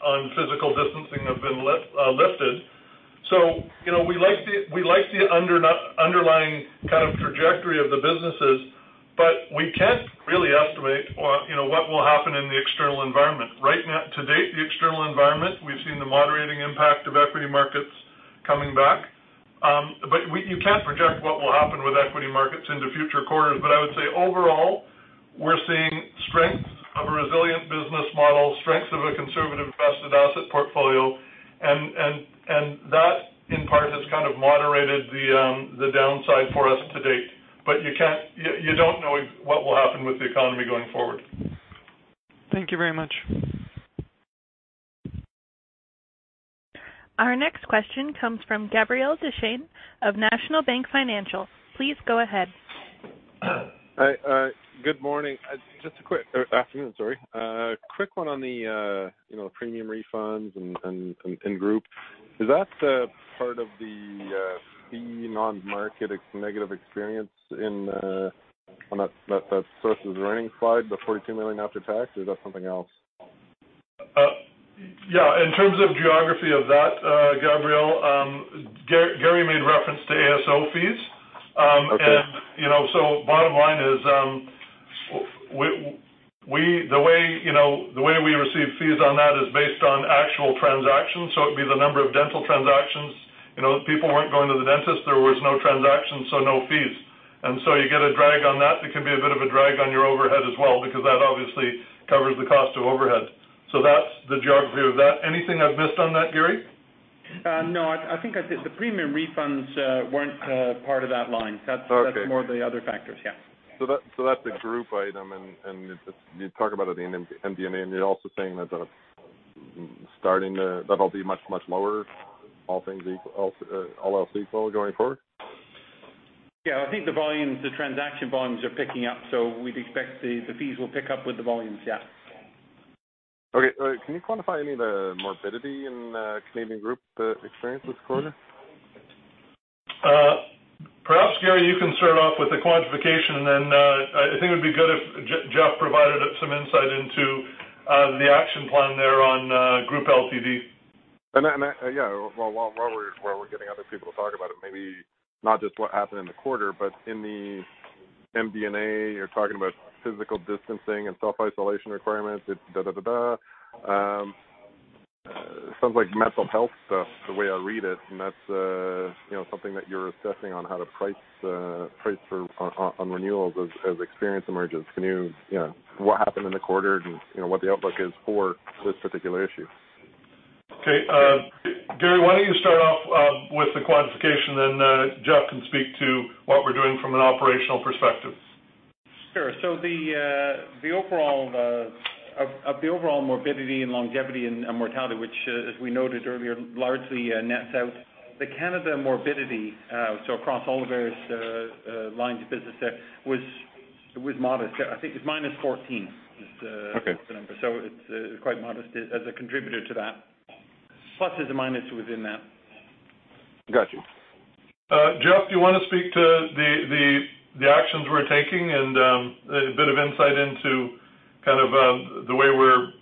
on physical distancing have been lifted. We like the underlying kind of trajectory of the businesses, but we can't really estimate what will happen in the external environment. Right now, to date, the external environment, we've seen the moderating impact of equity markets coming back. You can't project what will happen with equity markets into future quarters. I would say overall, we're seeing strength of a resilient business model, strength of a conservative invested asset portfolio, and that in part has kind of moderated the downside for us to date. You don't know what will happen with the economy going forward. Thank you very much. Our next question comes from Gabriel Dechaine of National Bank Financial. Please go ahead. Hi. Good morning. Afternoon, sorry. A quick one on the premium refunds in Group. Is that part of the fee non-market negative experience on that sources earnings slide, the 42 million after tax, or is that something else? Yeah. In terms of geography of that, Gabriel, Garry made reference to ASO fees. Bottom line is the way we receive fees on that is based on actual transactions. It'd be the number of dental transactions. People weren't going to the dentist. There was no transactions, so no fees. You get a drag on that. It can be a bit of a drag on your overhead as well because that obviously covers the cost of overhead. That's the geography of that. Anything I've missed on that, Garry? No, I think I said the premium refunds weren't part of that line. That's more of the other factors, yeah. That's a group item, and you talk about it in MD&A, and you're also saying that'll be much, much lower, all else equal going forward? Yeah, I think the transaction volumes are picking up. We'd expect the fees will pick up with the volumes, yeah. Okay. Can you quantify any of the morbidity in Canadian Group experience this quarter? Perhaps, Garry, you can start off with the quantification, and then I think it would be good if Jeff provided some insight into the action plan there on Group LTD. Yeah, while we're getting other people to talk about it, maybe not just what happened in the quarter, but in the MD&A, you're talking about physical distancing and self-isolation requirements. It sounds like mental health stuff the way I read it, and that's something that you're assessing on how to price on renewals as experience emerges. What happened in the quarter and what the outlook is for this particular issue? Okay. Garry, why don't you start off with the quantification, and then Jeff can speak to what we're doing from an operational perspective. Sure. Of the overall morbidity and longevity and mortality, which, as we noted earlier, largely nets out the Canada morbidity, across all the various lines of business there was modest. I think it's -14 is the number. It's quite modest as a contributor to that. Plus there's a minus within that. Got you. Jeff, do you want to speak to the actions we're taking and a bit of insight into kind of the way we're,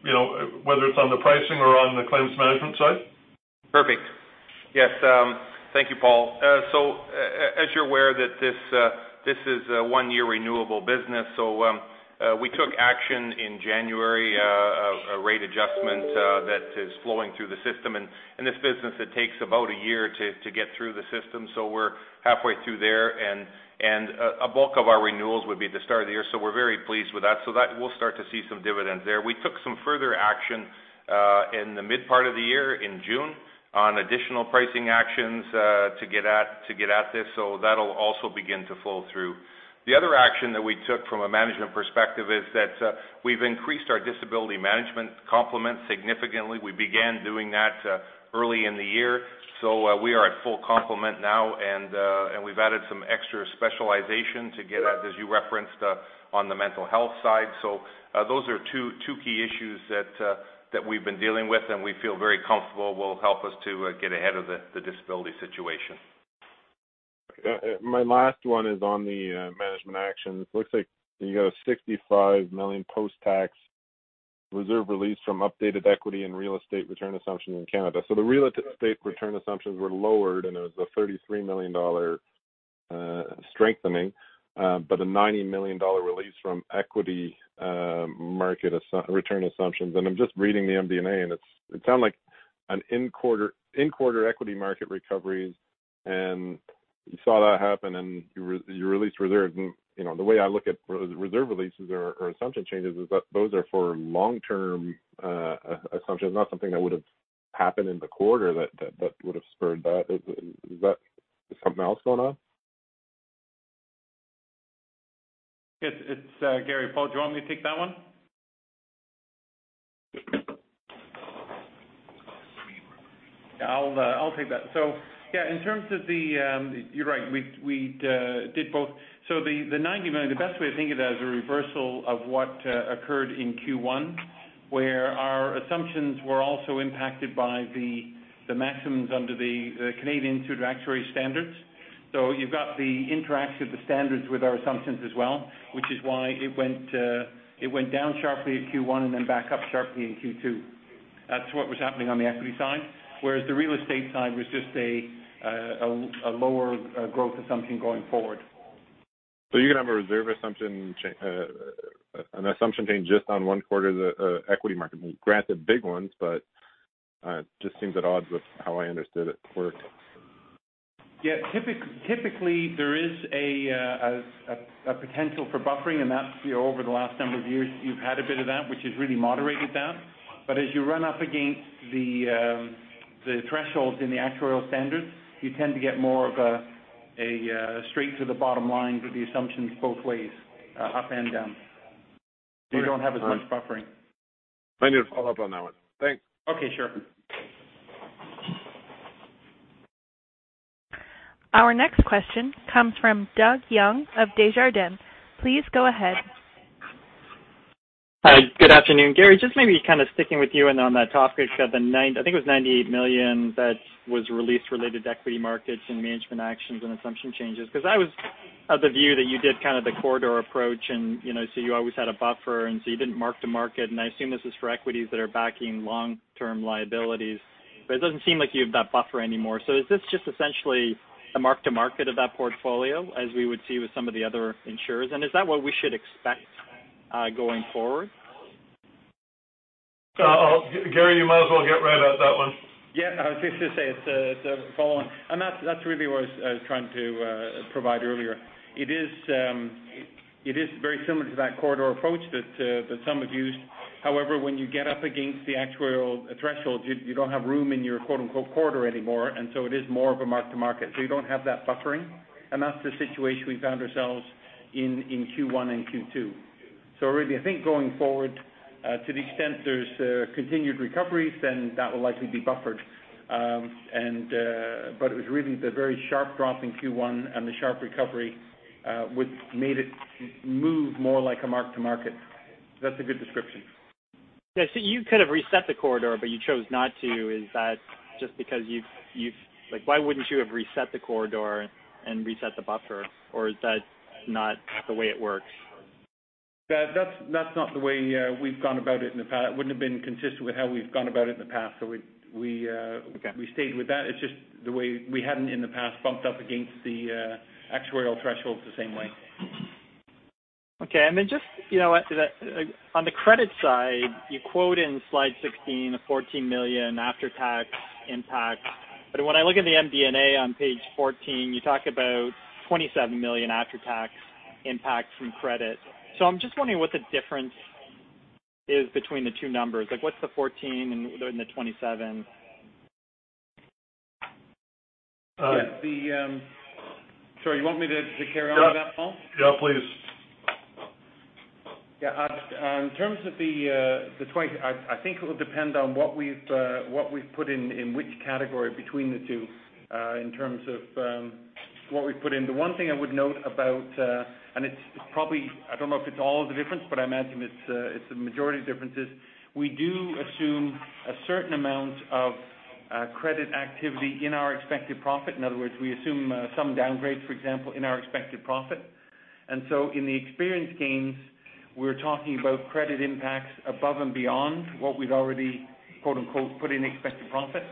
whether it's on the pricing or on the claims management side? Perfect. Yes. Thank you, Paul. As you're aware that this is a one-year renewable business. We took action in January, a rate adjustment that is flowing through the system. This business, it takes about a year to get through the system, so we're halfway through there and a bulk of our renewals would be at the start of the year. We're very pleased with that. That we'll start to see some dividends there. We took some further action in the mid part of the year in June on additional pricing actions to get at this. That'll also begin to flow through. The other action that we took from a management perspective is that we've increased our disability management complement significantly. We began doing that early in the year. We are at full complement now, and we've added some extra specialization to get at, as you referenced, on the mental health side. Those are two key issues that we've been dealing with, and we feel very comfortable will help us to get ahead of the disability situation. My last one is on the management action. It looks like you got a 65 million post-tax reserve release from updated equity and real estate return assumption in Canada. The real estate return assumptions were lowered, and it was a 33 million dollar strengthening, but a 90 million dollar release from equity market return assumptions. I'm just reading the MD&A, and it sounded like an in-quarter equity market recoveries, and you saw that happen and you released reserves. The way I look at reserve releases or assumption changes is that those are for long-term assumptions, not something that would have happened in the quarter that would have spurred that. Is something else going on? It's Garry. Paul, do you want me to take that one? I'll take that. Yeah, you're right, we did both. The 90 million, the best way to think it as a reversal of what occurred in Q1, where our assumptions were also impacted by the maximums under the Canadian Institute Actuaries Standards. You've got the interaction of the standards with our assumptions as well, which is why it went down sharply in Q1 and then back up sharply in Q2. That's what was happening on the equity side, whereas the real estate side was just a lower growth assumption going forward. You can have a reserve assumption change just on one quarter of the equity market. Granted, big ones, but just seems at odds with how I understood it worked. Yeah. Typically, there is a potential for buffering. That's over the last number of years, you've had a bit of that, which has really moderated that. As you run up against the thresholds in the actuarial standards, you tend to get more of a straight to the bottom line with the assumptions both ways, up and down. You don't have as much buffering. Maybe I'll follow up on that one. Thanks. Okay, sure. Our next question comes from Doug Young of Desjardins. Please go ahead. Hi. Good afternoon. Garry, just maybe kind of sticking with you and on that topic. I think it was 98 million that was released related to equity markets and management actions and assumption changes. I was of the view that you did kind of the corridor approach, and so you always had a buffer, and so you didn't mark to market. I assume this is for equities that are backing long-term liabilities, but it doesn't seem like you have that buffer anymore. So is this just essentially a mark to market of that portfolio, as we would see with some of the other insurers? Is that what we should expect going forward? Garry, you might as well get right at that one. Yeah. I was just going to say it's a follow on. That's really what I was trying to provide earlier. It is very similar to that corridor approach that some have used. However, when you get up against the actuarial threshold, you don't have room in your "corridor" anymore, and so it is more of a mark to market. You don't have that buffering, and that's the situation we found ourselves in Q1 and Q2. Really, I think going forward, to the extent there's continued recovery, then that will likely be buffered. It was really the very sharp drop in Q1 and the sharp recovery which made it move more like a mark to market. That's a good description. Yeah. You could have reset the corridor, but you chose not to. Why wouldn't you have reset the corridor and reset the buffer, or is that not the way it works? That's not the way we've gone about it in the past. It wouldn't have been consistent with how we've gone about it in the past. Stayed with that. It's just we hadn't, in the past, bumped up against the actuarial thresholds the same way. Okay. Just on the credit side, you quote in slide 16 a 14 million after-tax impact. When I look at the MD&A on page 14, you talk about 27 million after-tax impact from credit. I'm just wondering what the difference is between the two numbers. What's the 14 and the 27? Yeah. Sorry, you want me to carry on with that, Paul? Yeah, please. Yeah. I think it will depend on what we've put in which category between the two in terms of what we've put in. The one thing I would note about, and I don't know if it's all of the difference, but I imagine it's the majority of the differences. We do assume a certain amount of credit activity in our expected profit. In other words, we assume some downgrades, for example, in our expected profit. In the experience gains, we're talking about credit impacts above and beyond what we'd already, quote unquote, "put in expected profit."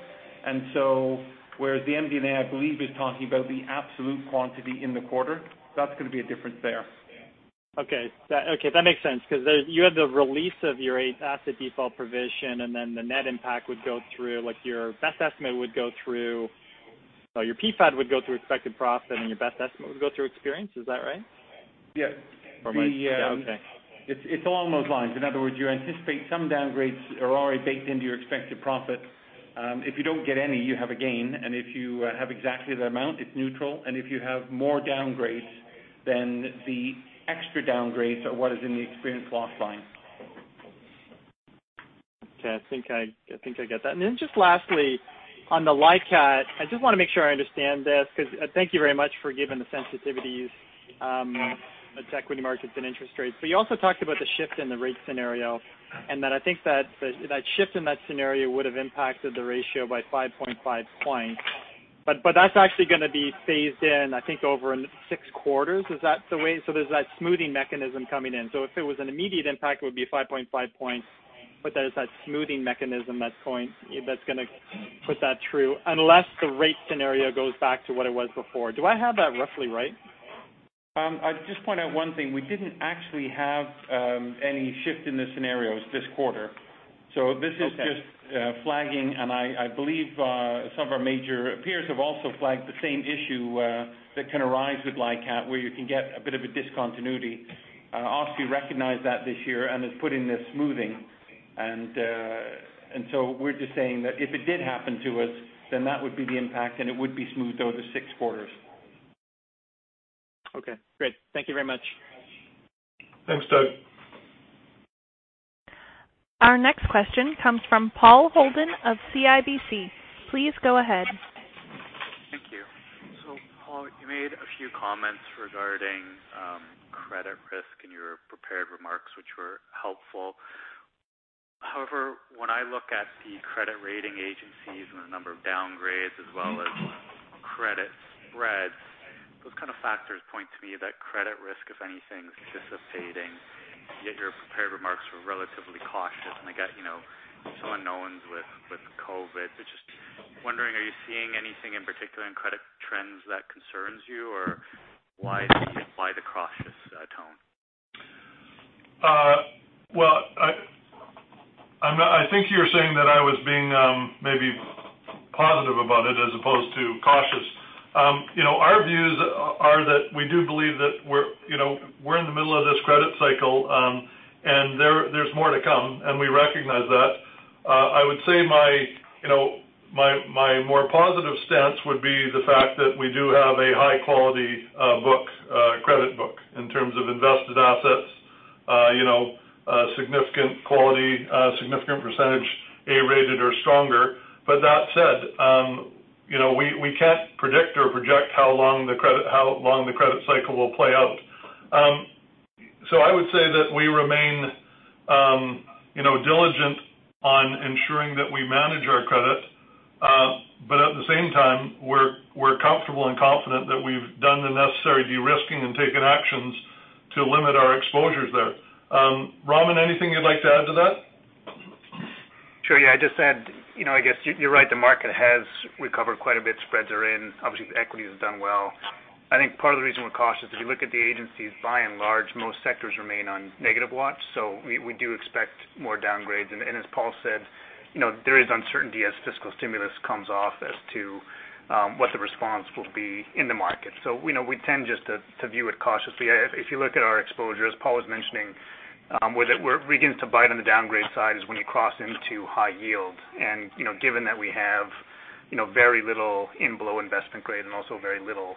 Whereas the MD&A, I believe, is talking about the absolute quantity in the quarter. That's going to be a difference there. Okay. That makes sense because you had the release of your asset default provision, and then the net impact would go through, like your best estimate. Your PfAD would go through expected profit, and your best estimate would go through experience. Is that right? Yeah. Okay. It's along those lines. In other words, you anticipate some downgrades are already baked into your expected profit. If you don't get any, you have a gain. If you have exactly the amount, it's neutral. If you have more downgrades, then the extra downgrades are what is in the experience loss line. Okay. I think I get that. Just lastly, on the LICAT, I just want to make sure I understand this because thank you very much for giving the sensitivities, the equity markets and interest rates. You also talked about the shift in the rate scenario, and that I think that shift in that scenario would've impacted the ratio by 5.5 points. That's actually going to be phased in, I think, over six quarters. Is that the way? There's that smoothing mechanism coming in. If it was an immediate impact, it would be 5.5 points, but there is that smoothing mechanism that's going to put that through unless the rate scenario goes back to what it was before. Do I have that roughly right? I'd just point out one thing. We didn't actually have any shift in the scenarios this quarter. This is just flagging, and I believe some of our major peers have also flagged the same issue that can arise with LICAT, where you can get a bit of a discontinuity. OSFI recognized that this year and is putting this smoothing. We're just saying that if it did happen to us, then that would be the impact, and it would be smoothed over six quarters. Okay, great. Thank you very much. Thanks, Doug. Our next question comes from Paul Holden of CIBC. Please go ahead. Thank you. Paul, you made a few comments regarding credit risk in your prepared remarks, which were helpful. However, when I look at the credit rating agencies and the number of downgrades as well as credit spreads, those kind of factors point to me that credit risk, if anything, is dissipating. Yet your prepared remarks were relatively cautious. I get some unknowns with COVID. Just wondering, are you seeing anything in particular in credit trends that concerns you, or why the cautious tone? Well, I think you're saying that I was being maybe positive about it as opposed to cautious. Our views are that we do believe that we're in the middle of this credit cycle, and there's more to come, and we recognize that. I would say my more positive stance would be the fact that we do have a high-quality credit book in terms of invested assets, significant quality, a significant percentage A-rated or stronger. That said, we can't predict or project how long the credit cycle will play out. I would say that we remain diligent on ensuring that we manage our credit. At the same time, we're comfortable and confident that we've done the necessary de-risking and taken actions to limit our exposures there. Raman, anything you'd like to add to that? Sure. Yeah, I'd just add, I guess you're right, the market has recovered quite a bit. Spreads are in. Obviously, equities has done well. I think part of the reason we're cautious is you look at the agencies, by and large, most sectors remain on negative watch. We do expect more downgrades. As Paul said, there is uncertainty as fiscal stimulus comes off as to what the response will be in the market. We tend just to view it cautiously. If you look at our exposure, as Paul was mentioning, where it begins to bite on the downgrade side is when you cross into high yield. Given that we have very little in below investment grade and also very little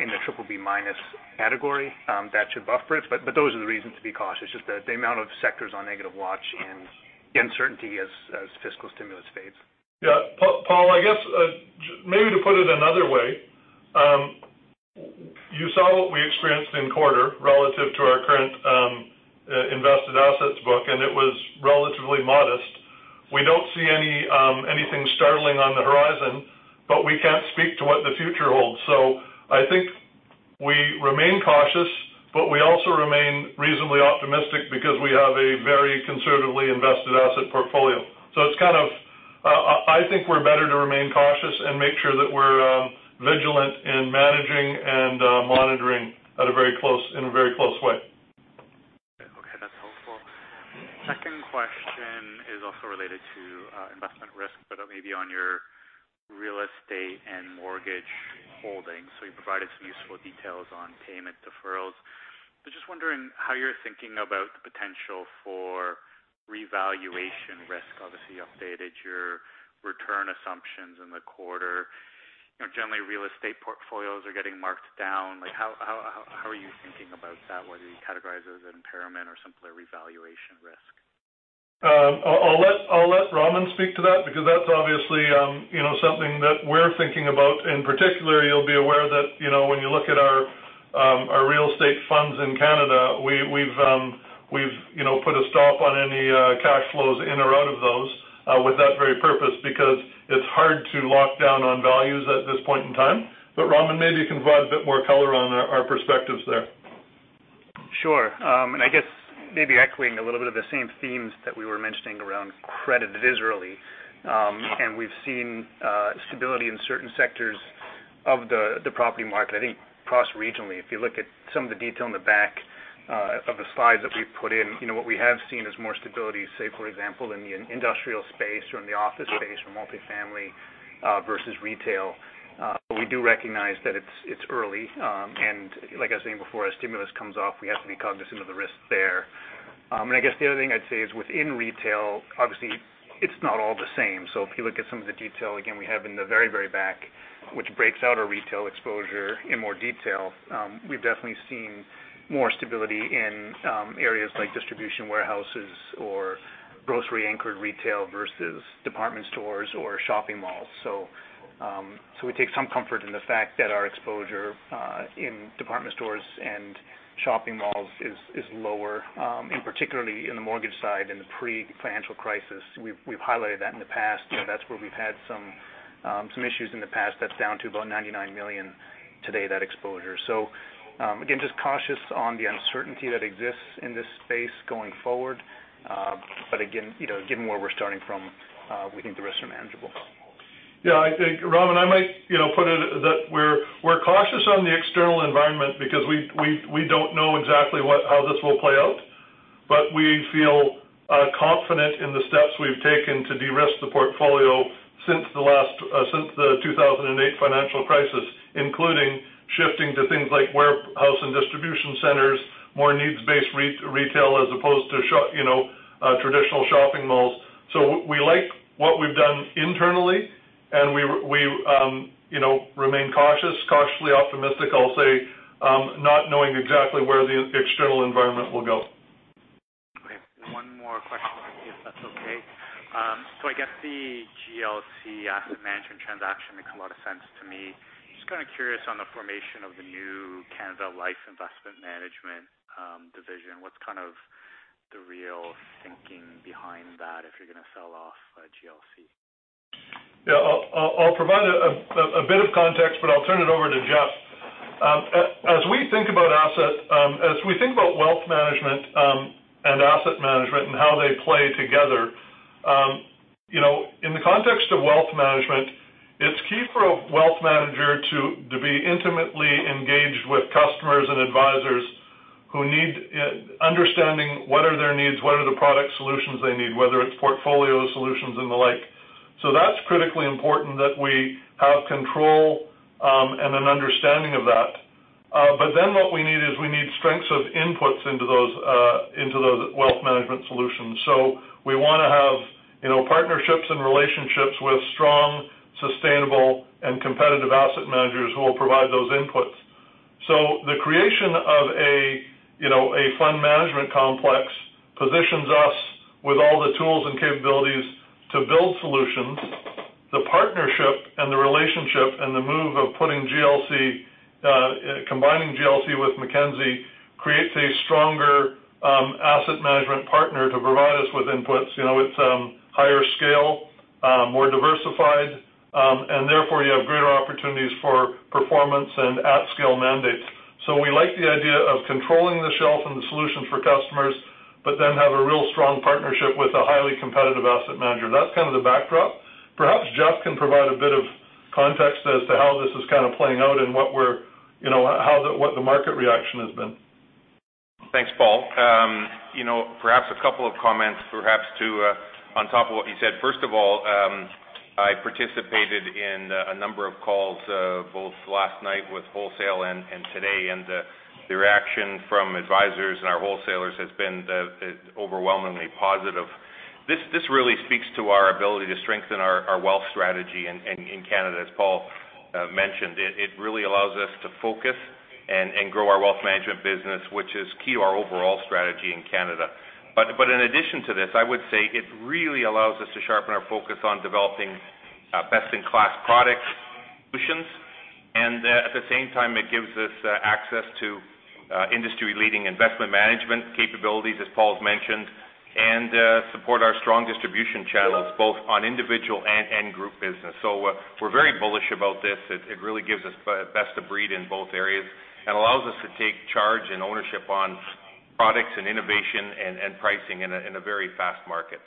in the triple B minus category. That should buffer it. Those are the reasons to be cautious, is the amount of sectors on negative watch and the uncertainty as fiscal stimulus fades. Paul, I guess maybe to put it another way, you saw what we experienced in quarter relative to our current invested assets book, and it was relatively modest. We don't see anything startling on the horizon, but we can't speak to what the future holds. I think we remain cautious, but we also remain reasonably optimistic because we have a very conservatively invested asset portfolio. I think we're better to remain cautious and make sure that we're vigilant in managing and monitoring in a very close way. Okay, that's helpful. Second question is also related to investment risk, but it may be on your real estate and mortgage holdings. You provided some useful details on payment deferrals. I was just wondering how you're thinking about the potential for revaluation risk. Obviously, you updated your return assumptions in the quarter. Generally, real estate portfolios are getting marked down. How are you thinking about that, whether you categorize it as an impairment or simply a revaluation risk? I'll let Raman speak to that because that's obviously something that we're thinking about. In particular, you'll be aware that when you look at our real estate funds in Canada, we've put a stop on any cash flows in or out of those with that very purpose, because it's hard to lock down on values at this point in time. Raman, maybe you can provide a bit more color on our perspectives there. Sure. I guess maybe echoing a little bit of the same themes that we were mentioning around credit viscerally. We've seen stability in certain sectors of the property market, I think cross-regionally. If you look at some of the detail on the back of the slides that we've put in, what we have seen is more stability, say, for example, in the industrial space or in the office space from multi-family versus retail. We do recognize that it's early, and like I was saying before, as stimulus comes off, we have to be cognizant of the risks there. I guess the other thing I'd say is within retail, obviously, it's not all the same. If you look at some of the detail, again, we have in the very back, which breaks out our retail exposure in more detail. We've definitely seen more stability in areas like distribution warehouses or grocery-anchored retail versus department stores or shopping malls. We take some comfort in the fact that our exposure in department stores and shopping malls is lower. Particularly in the mortgage side in the pre-financial crisis, we've highlighted that in the past. That's where we've had some issues in the past. That's down to about 99 million today, that exposure. Again, just cautious on the uncertainty that exists in this space going forward. Again, given where we're starting from, we think the risks are manageable. Yeah, I think, Raman, I might put it that we're cautious on the external environment because we don't know exactly how this will play out. We feel confident in the steps we've taken to de-risk the portfolio since the 2008 financial crisis, including shifting to things like warehouse and distribution centers, more needs-based retail, as opposed to traditional shopping malls. We like what we've done internally, and we remain cautiously optimistic, I'll say, not knowing exactly where the external environment will go. Okay, one more question, if that's okay. I guess the GLC Asset Management transaction makes a lot of sense to me. Just kind of curious on the formation of the new Canada Life Investment Management division. What's kind of the real thinking behind that if you're going to sell off GLC? Yeah. I'll provide a bit of context, but I'll turn it over to Jeff. As we think about wealth management and asset management and how they play together, in the context of wealth management, it's key for a wealth manager to be intimately engaged with customers and advisors who need understanding what are their needs, what are the product solutions they need, whether it's portfolio solutions and the like. That's critically important that we have control and an understanding of that. What we need is we need strengths of inputs into those wealth management solutions. We want to have partnerships and relationships with strong, sustainable, and competitive asset managers who will provide those inputs. The creation of a fund management complex positions us with all the tools and capabilities to build solutions. The partnership and the relationship and the move of combining GLC with Mackenzie creates a stronger asset management partner to provide us with inputs. It's higher scale, more diversified, and therefore you have greater opportunities for performance and at-scale mandates. We like the idea of controlling the shelf and the solutions for customers, but then have a real strong partnership with a highly competitive asset manager. That's kind of the backdrop. Perhaps Jeff can provide a bit of context as to how this is kind of playing out and what the market reaction has been. Thanks, Paul. Perhaps a couple of comments, perhaps, too, on top of what you said. First of all, I participated in a number of calls both last night with wholesale and today. The reaction from advisors and our wholesalers has been overwhelmingly positive. This really speaks to our ability to strengthen our wealth strategy in Canada, as Paul mentioned. It really allows us to focus and grow our wealth management business, which is key to our overall strategy in Canada. In addition to this, I would say it really allows us to sharpen our focus on developing best-in-class product solutions. At the same time, it gives us access to industry-leading investment management capabilities, as Paul's mentioned, and support our strong distribution channels both on individual and group business. We're very bullish about this. It really gives us best of breed in both areas and allows us to take charge and ownership on products and innovation and pricing in a very fast market.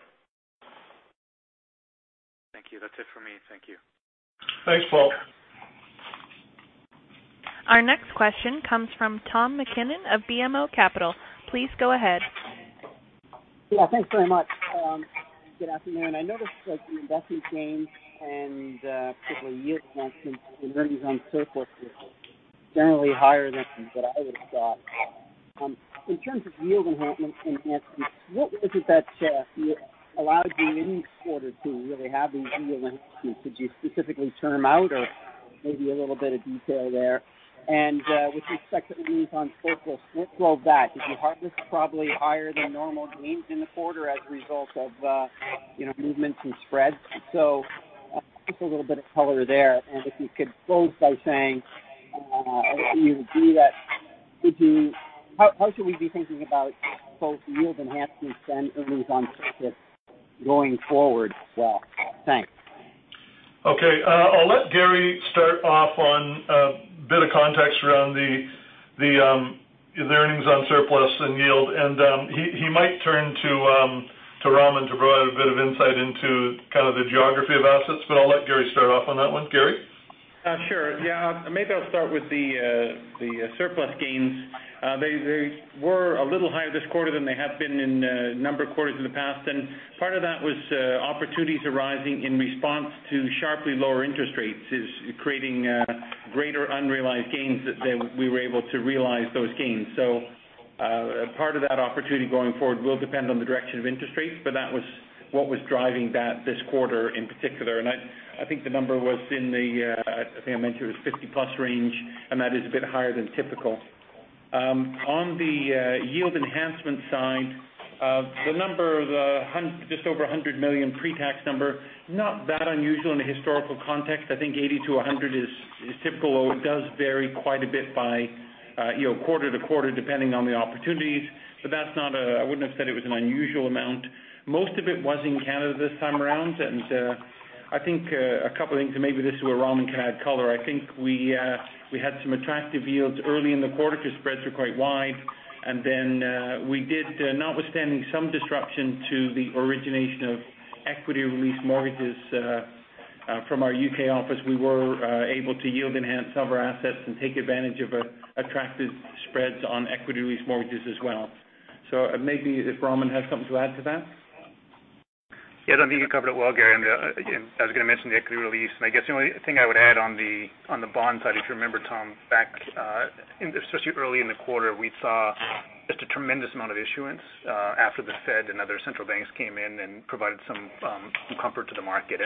Thank you. That's it for me. Thank you. Thanks, Paul. Our next question comes from Tom MacKinnon of BMO Capital. Please go ahead. Thanks very much. Good afternoon. I noticed that the investment gains and particularly yield gains in earnings on surplus were generally higher than what I would have thought. In terms of yield enhancements, what was it that allowed you in this quarter to really have these yield enhancements? Did you specifically term out or maybe a little bit of detail there? With respect to the earnings on surplus, what drove that? Did you harvest probably higher than normal gains in the quarter as a result of movements in spreads? Just a little bit of color there, and if you could close by saying how should we be thinking about both yield enhancements and earnings on surplus going forward. Thanks. Okay. I'll let Garry start off on a bit of context around the earnings on surplus and yield, and he might turn to Raman to provide a bit of insight into kind of the geography of assets. I'll let Garry start off on that one. Garry? Sure. Yeah. Maybe I'll start with the surplus gains. They were a little higher this quarter than they have been in a number of quarters in the past, part of that was opportunities arising in response to sharply lower interest rates is creating greater unrealized gains that we were able to realize those gains. Part of that opportunity going forward will depend on the direction of interest rates, but that was what was driving that this quarter in particular. I think the number was in the, I think I mentioned it was 50+ range, and that is a bit higher than typical. On the yield enhancement side, the number, the just over 100 million pre-tax number, not that unusual in a historical context. I think 80-100 is typical, although it does vary quite a bit by quarter to quarter, depending on the opportunities. I wouldn't have said it was an unusual amount. Most of it was in Canada this time around. I think a couple of things, and maybe this is where Raman can add color. I think we had some attractive yields early in the quarter because spreads were quite wide. Then we did, notwithstanding some disruption to the origination of equity release mortgages from our U.K. office, we were able to yield enhance some of our assets and take advantage of attractive spreads on equity release mortgages as well. Maybe if Raman has something to add to that. Yeah. No, I think you covered it well, Garry. I guess the only thing I would add on the bond side, if you remember, Tom, back especially early in the quarter, we saw just a tremendous amount of issuance after the Fed and other central banks came in and provided some comfort to the market.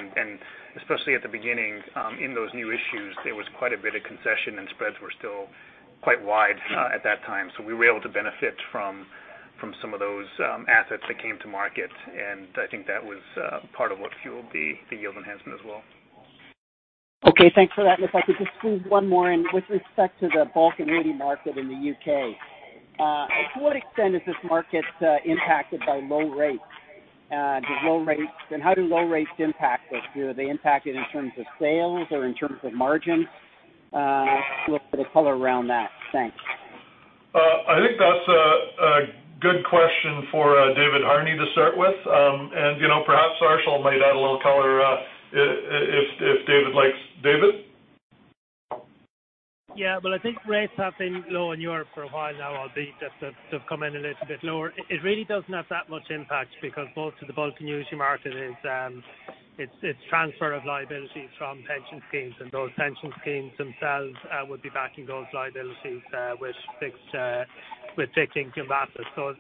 We were able to benefit from some of those assets that came to market, and I think that was part of what fueled the yield enhancement as well. Okay, thanks for that. If I could just squeeze one more in with respect to the bulk annuity market in the U.K. To what extent is this market impacted by low rates? How do low rates impact this? Do they impact it in terms of sales or in terms of margins? Look for the color around that. Thanks. I think that's a good question for David Harney to start with. Perhaps Arshil Jamal might add a little color if David likes. David? Yeah. Well, I think rates have been low in Europe for a while now, albeit just they've come in a little bit lower. It really doesn't have that much impact because most of the bulk annuity market is transfer of liabilities from pension schemes, and those pension schemes themselves would be backing those liabilities with fixed income assets.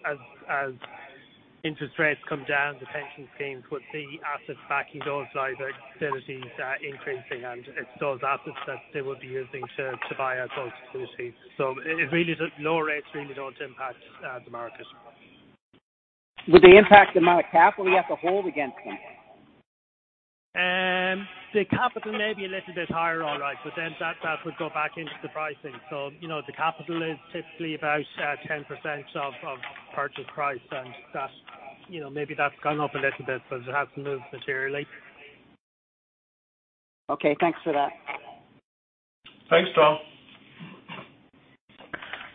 As interest rates come down, the pension schemes would see assets backing those liabilities increasing, and it's those assets that they would be using to buy our securities. Low rates really don't impact the market. Would they impact the amount of capital you have to hold against them? The capital may be a little bit higher, all right, but then that would go back into the pricing. The capital is typically about 10% of purchase price, and maybe that's gone up a little bit, but it hasn't moved materially. Okay, thanks for that. Thanks, Tom.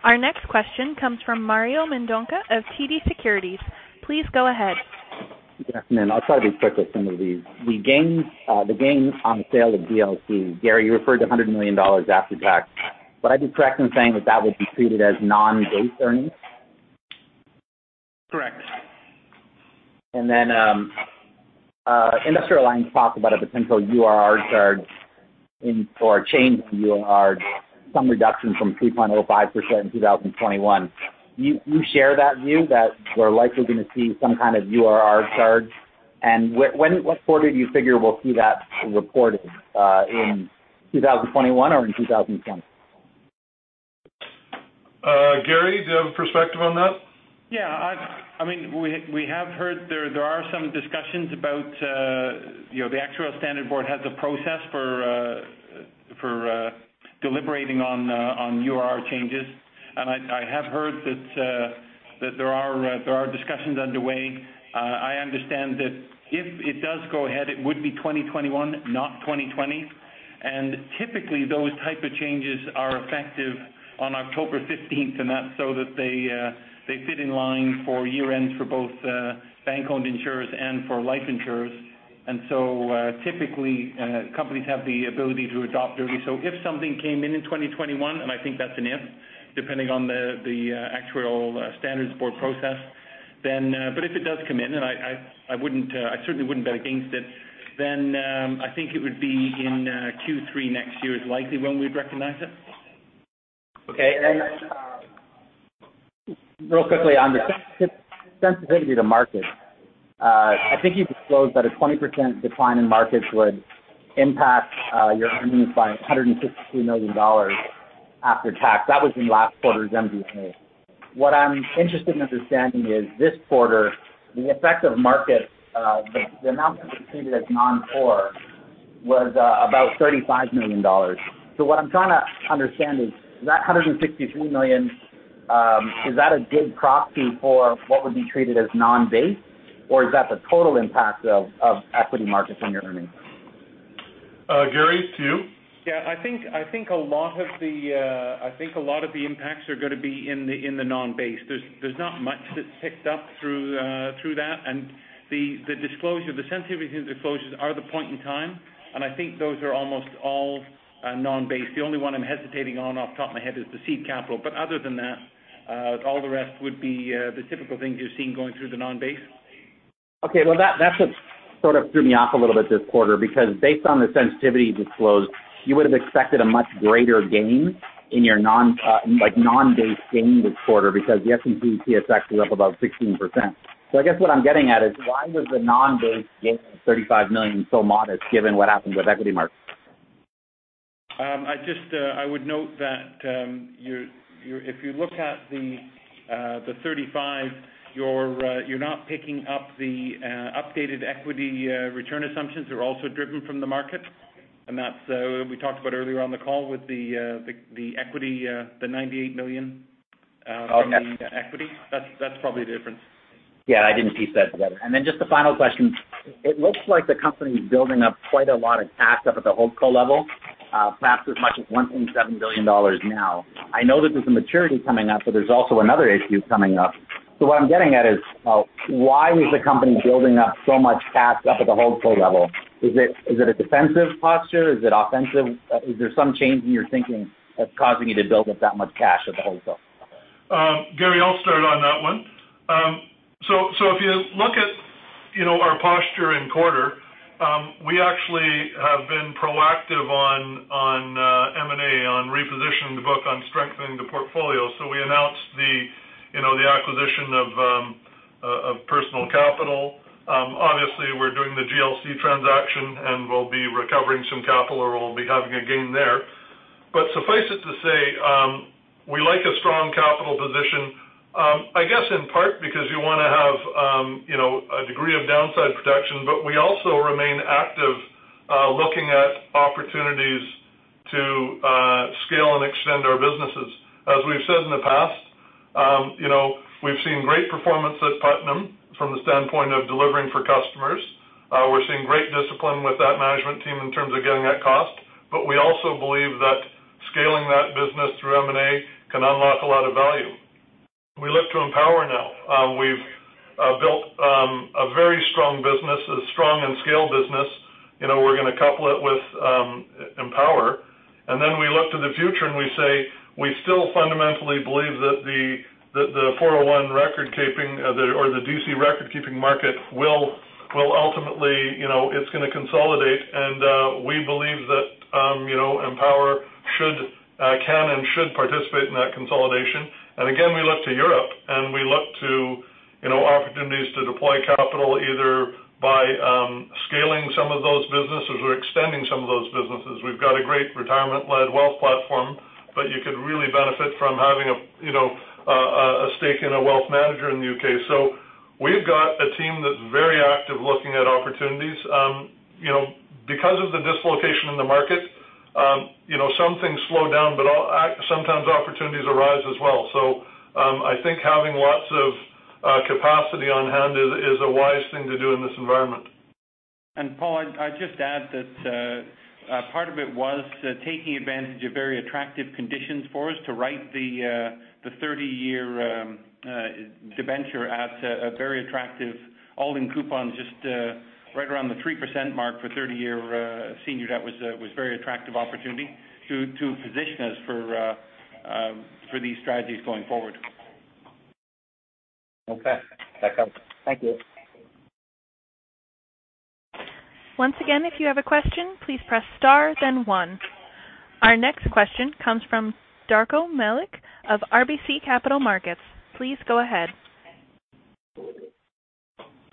Our next question comes from Mario Mendonca of TD Securities. Please go ahead. Good afternoon. I'll try to be quick with some of these. The gains on the sale of GLC. Garry, you referred to 100 million dollars after tax. Would I be correct in saying that that would be treated as non-base earnings? Industrial Alliance talked about a potential URR charge or a change in URR, some reduction from 3.05% in 2021. Do you share that view that we're likely going to see some kind of URR charge? What quarter do you figure we'll see that reported, in 2021 or in 2020? Garry, do you have a perspective on that? Yeah. We have heard there are some discussions about the Actuarial Standards Board has a process for deliberating on URR changes. I have heard that there are discussions underway. I understand that if it does go ahead, it would be 2021, not 2020. Typically, those type of changes are effective on October 15th, and that's so that they fit in line for year-ends for both bank-owned insurers and for life insurers. Typically, companies have the ability to adopt early. If something came in in 2021, and I think that's an if, depending on the Actuarial Standards Board process. If it does come in, and I certainly wouldn't bet against it, I think it would be in Q3 next year is likely when we'd recognize it. Okay. Real quickly on the sensitivity to markets. I think you disclosed that a 20% decline in markets would impact your earnings by 163 million dollars after tax. That was in last quarter's MD&A. What I'm interested in understanding is this quarter, the effect of market, the amount that was treated as non-core was about 35 million dollars. What I'm trying to understand is, that 163 million, is that a good proxy for what would be treated as non-base, or is that the total impact of equity markets on your earnings? Garry, to you. Yeah, I think a lot of the impacts are going to be in the non-base. There's not much that's picked up through that. The disclosure, the sensitivity disclosures are the point in time, and I think those are almost all non-base. The only one I'm hesitating on off the top of my head is the seed capital. Other than that, all the rest would be the typical things you've seen going through the non-base. Okay. Well, that's what sort of threw me off a little bit this quarter because based on the sensitivity disclosed, you would have expected a much greater gain in your non-base gain this quarter because the S&P/TSX was up about 16%. I guess what I'm getting at is why was the non-base gain of 35 million so modest given what happened with equity markets? I would note that if you look at the 35, you're not picking up the updated equity return assumptions are also driven from the market. That's we talked about earlier on the call with the equity, the 98 million from the equity. That's probably the difference. Yeah, I didn't piece that together. Just the final question. It looks like the company's building up quite a lot of cash up at the holdco level, perhaps as much as 1.7 billion dollars now. I know that there's a maturity coming up, but there's also another issue coming up. What I'm getting at is why is the company building up so much cash up at the holdco level? Is it a defensive posture? Is it offensive? Is there some change in your thinking that's causing you to build up that much cash at the holdco level? Garry, I'll start on that one. If you look at our posture in quarter, we actually have been proactive on M&A, on repositioning the book, on strengthening the portfolio. We announced the acquisition of Personal Capital. Obviously, we're doing the GLC transaction, and we'll be recovering some capital or we'll be having a gain there. Suffice it to say, we like a strong capital position. I guess in part because you want to have a degree of downside protection, but we also remain active looking at opportunities to scale and extend our businesses. As we've said in the past, we've seen great performance at Putnam from the standpoint of delivering for customers. We're seeing great discipline with that management team in terms of getting at cost. We also believe that scaling that business through M&A can unlock a lot of value. We look to Empower now. We've built a very strong business, a strong and scaled business. We're going to couple it with Empower. We look to the future and we say we still fundamentally believe that the 401 recordkeeping or the DC recordkeeping market will ultimately consolidate, and we believe that Empower can and should participate in that consolidation. We look to Europe, and we look to opportunities to deploy capital either by scaling some of those businesses or extending some of those businesses. We've got a great retirement-led wealth platform, but you could really benefit from having a stake in a wealth manager in the U.K. We've got a team that's very active looking at opportunities. Because of the dislocation in the market, some things slow down, but sometimes opportunities arise as well. I think having lots of capacity on hand is a wise thing to do in this environment. Paul, I'd just add that part of it was taking advantage of very attractive conditions for us to write the 30-year debenture at a very attractive all-in coupon just right around the 3% mark for 30-year senior debt was a very attractive opportunity to position us for these strategies going forward. Okay. That helps. Thank you. Once again, if you have a question, please press star, then one. Our next question comes from Darko Mihelic of RBC Capital Markets. Please go ahead.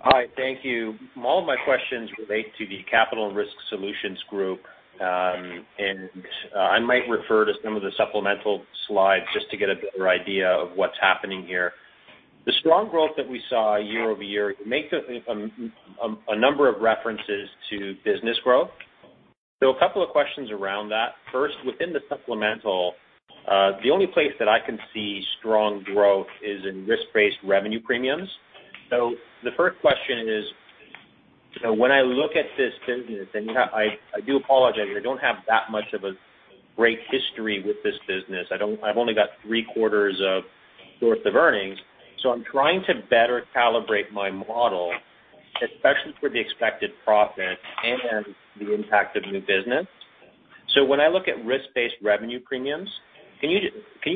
Hi. Thank you. All of my questions relate to the Capital and Risk Solutions group. I might refer to some of the supplemental slides just to get a better idea of what's happening here. The strong growth that we saw year-over-year makes a number of references to business growth. A couple of questions around that. First, within the supplemental, the only place that I can see strong growth is in risk-based revenue premiums. The first question is, when I look at this business, I do apologize, I don't have that much of a great history with this business. I've only got three quarters of source of earnings. I'm trying to better calibrate my model, especially for the expected profit and the impact of new business. When I look at risk-based revenue premiums, can you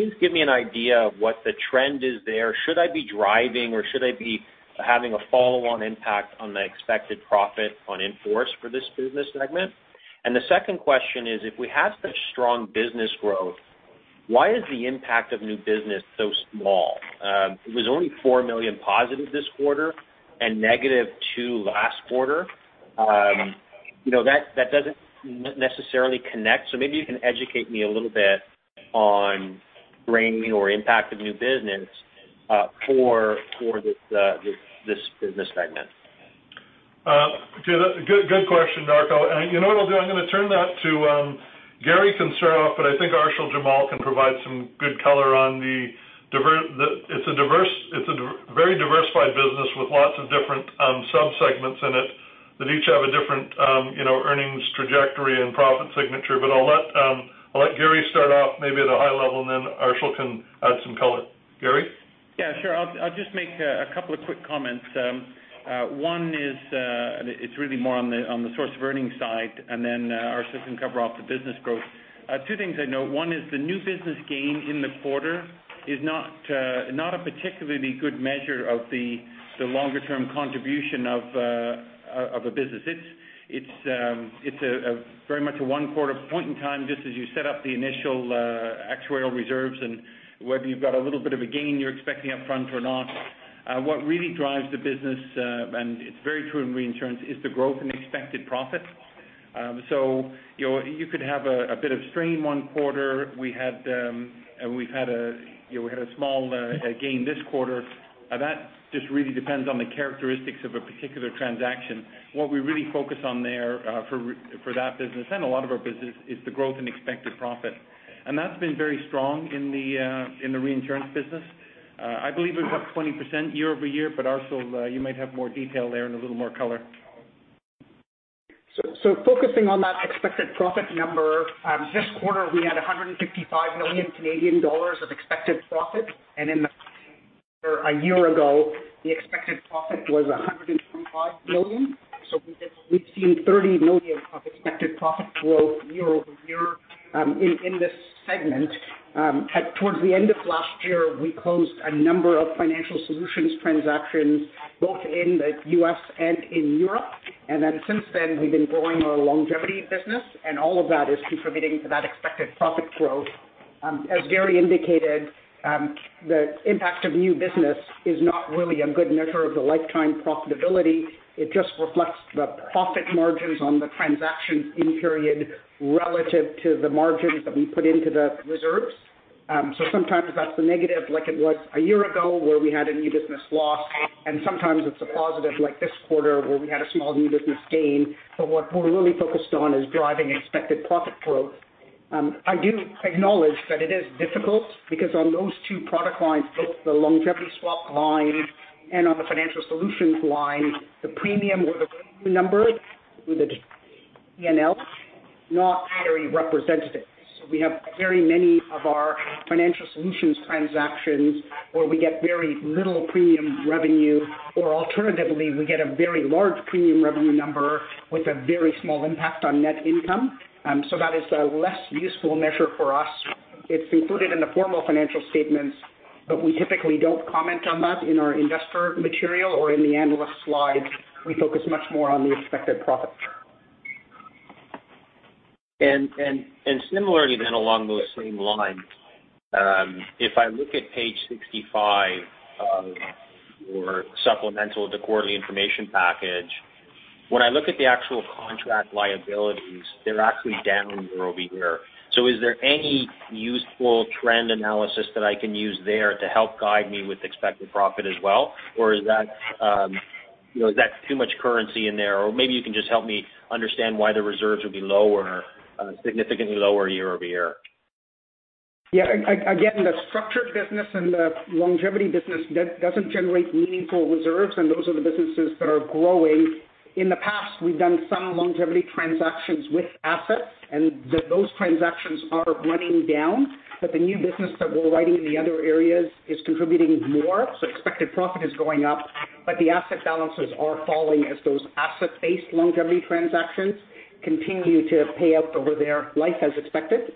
just give me an idea of what the trend is there? Should I be driving or should I be having a follow-on impact on the expected profit on in-force for this business segment? The second question is: If we have such strong business growth, why is the impact of new business so small? It was only 4 million positive this quarter and negative 2 last quarter. That doesn't necessarily connect, so maybe you can educate me a little bit on bringing or impact of new business for this business segment. Good question, Darko. You know what I'll do? I'm going to turn that to Garry MacNicholas. I think Arshil Jamal can provide some good color. It's a very diversified business with lots of different sub-segments in it that each have a different earnings trajectory and profit signature. I'll let Garry start off maybe at a high level, and then Arshil can add some color. Garry? Yeah, sure. I'll just make a couple of quick comments. One is, it's really more on the source of earnings side, and then Arshil can cover off the business growth. Two things I know. One is the new business gain in the quarter is not a particularly good measure of the longer-term contribution of a business. It's very much a one quarter point in time, just as you set up the initial actuarial reserves and whether you've got a little bit of a gain you're expecting up front or not. What really drives the business, and it's very true in reinsurance, is the growth in expected profit. You could have a bit of strain one quarter. We had a small gain this quarter. That just really depends on the characteristics of a particular transaction. What we really focus on there for that business and a lot of our business is the growth in expected profit. That's been very strong in the reinsurance business. I believe we're up 20% year-over-year, Arshil, you might have more detail there and a little more color. Focusing on that expected profit number, this quarter we had 155 million Canadian dollars of expected profit. In the quarter a year ago, the expected profit was 125 million. We've seen 30 million of expected profit growth year-over-year in this segment. Towards the end of last year, we closed a number of financial solutions transactions both in the U.S. and in Europe. Since then, we've been growing our longevity business, and all of that is contributing to that expected profit growth. As Garry indicated, the impact of new business is not really a good measure of the lifetime profitability. It just reflects the profit margins on the transaction in-period relative to the margins that we put into the reserves. Sometimes that's a negative, like it was a year ago, where we had a new business loss, and sometimes it's a positive, like this quarter, where we had a small new business gain. What we're really focused on is driving expected profit growth. I do acknowledge that it is difficult because on those two product lines, both the longevity swap line and on the financial solutions line, the premium or the revenue number with the P&L is not very representative. We have very many of our financial solutions transactions where we get very little premium revenue or alternatively, we get a very large premium revenue number with a very small impact on net income. That is a less useful measure for us. It's included in the formal financial statements, but we typically don't comment on that in our investor material or in the analyst slide. We focus much more on the expected profit. Similarly then along those same lines, if I look at page 65 of your supplemental to quarterly information package, when I look at the actual contract liabilities, they're actually down year-over-year. Is there any useful trend analysis that I can use there to help guide me with expected profit as well? Is that too much currency in there? Maybe you can just help me understand why the reserves would be lower, significantly lower year-over-year. Yeah. Again, the structured business and the longevity business, that doesn't generate meaningful reserves, and those are the businesses that are growing. In the past, we've done some longevity transactions with assets, and those transactions are running down. The new business that we're writing in the other areas is contributing more, so expected profit is going up. The asset balances are falling as those asset-based longevity transactions continue to pay out over their life as expected.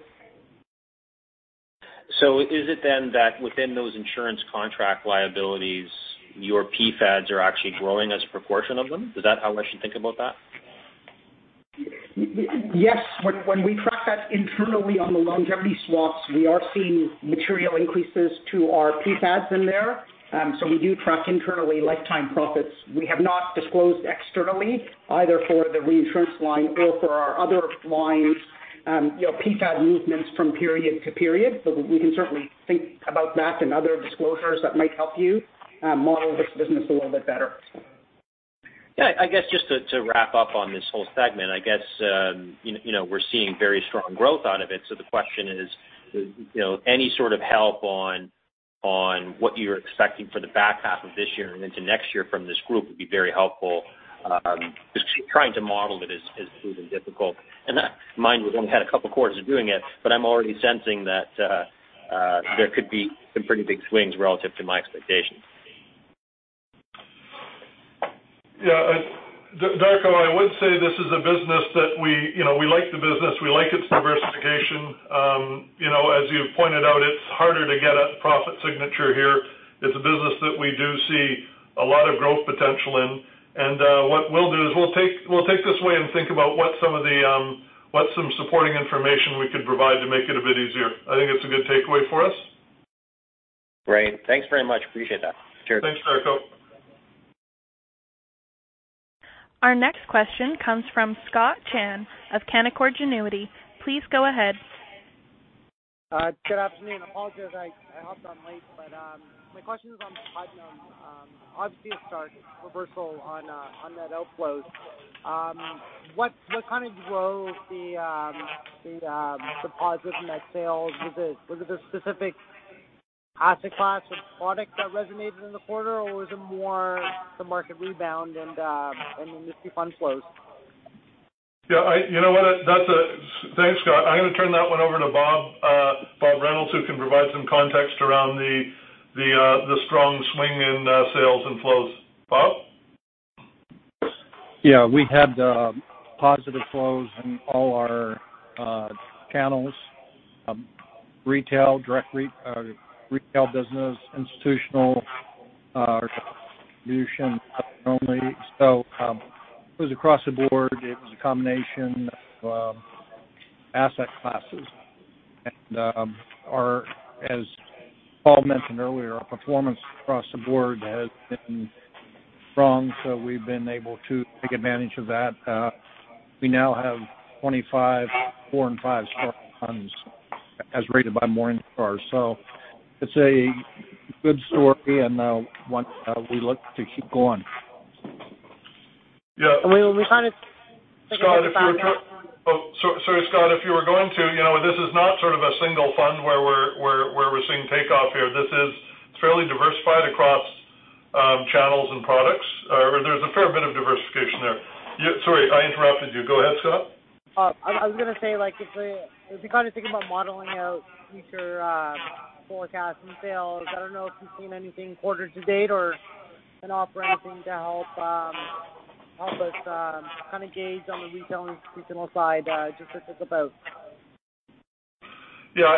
Is it then that within those insurance contract liabilities, your PfADs are actually growing as a proportion of them? Is that how I should think about that? Yes. When we track that internally on the longevity swaps, we are seeing material increases to our PfADs in there. We do track internally lifetime profits. We have not disclosed externally either for the reinsurance line or for our other lines, PfAD movements from period to period. We can certainly think about that and other disclosures that might help you model this business a little bit better. Yeah. I guess just to wrap up on this whole segment, I guess we're seeing very strong growth out of it. The question is any sort of help on what you're expecting for the back half of this year and into next year from this group would be very helpful. Trying to model it is really difficult. Mind, we've only had a couple quarters of doing it, I'm already sensing that there could be some pretty big swings relative to my expectations. Yeah. Darko, I would say this is a business that we like the business, we like its diversification. As you've pointed out, it's harder to get a profit signature here. It's a business that we do see a lot of growth potential in. What we'll do is we'll take this away and think about what some supporting information we could provide to make it a bit easier. I think that's a good takeaway for us. Great. Thanks very much. Appreciate that. Cheers. Thanks, Darko. Our next question comes from Scott Chan of Canaccord Genuity. Please go ahead. Good afternoon. Apologies, I hopped on late. My question is on Putnam. Obviously a stark reversal on that outflows. What kind of drove the positive net sales? Was it a specific asset class or product that resonated in the quarter, or was it more the market rebound and the mystery fund flows? Yeah. Thanks, Scott. I'm going to turn that one over to Bob Reynolds, who can provide some context around the strong swing in sales and flows. Bob? Yeah. We had positive flows in all our channels. Retail business, institutional, distribution, only. It was across the board. It was a combination of asset classes. As Paul mentioned earlier, our performance across the board has been strong, so we've been able to take advantage of that. We now have 25 four and five-star funds as rated by Morningstar. It's a good story, and one we look to keep going. Yeah. Were you trying to- Oh, sorry, Scott, if you were going to, this is not sort of a single fund where we're seeing takeoff here. This is fairly diversified across channels and products. There's a fair bit of diversification there. Sorry, I interrupted you. Go ahead, Scott. I was going to say if you're kind of thinking about modeling out future forecasts and sales, I don't know if you've seen anything quarter to date or an off-ramp thing to help us kind of gauge on the retail institutional side just to think about. You're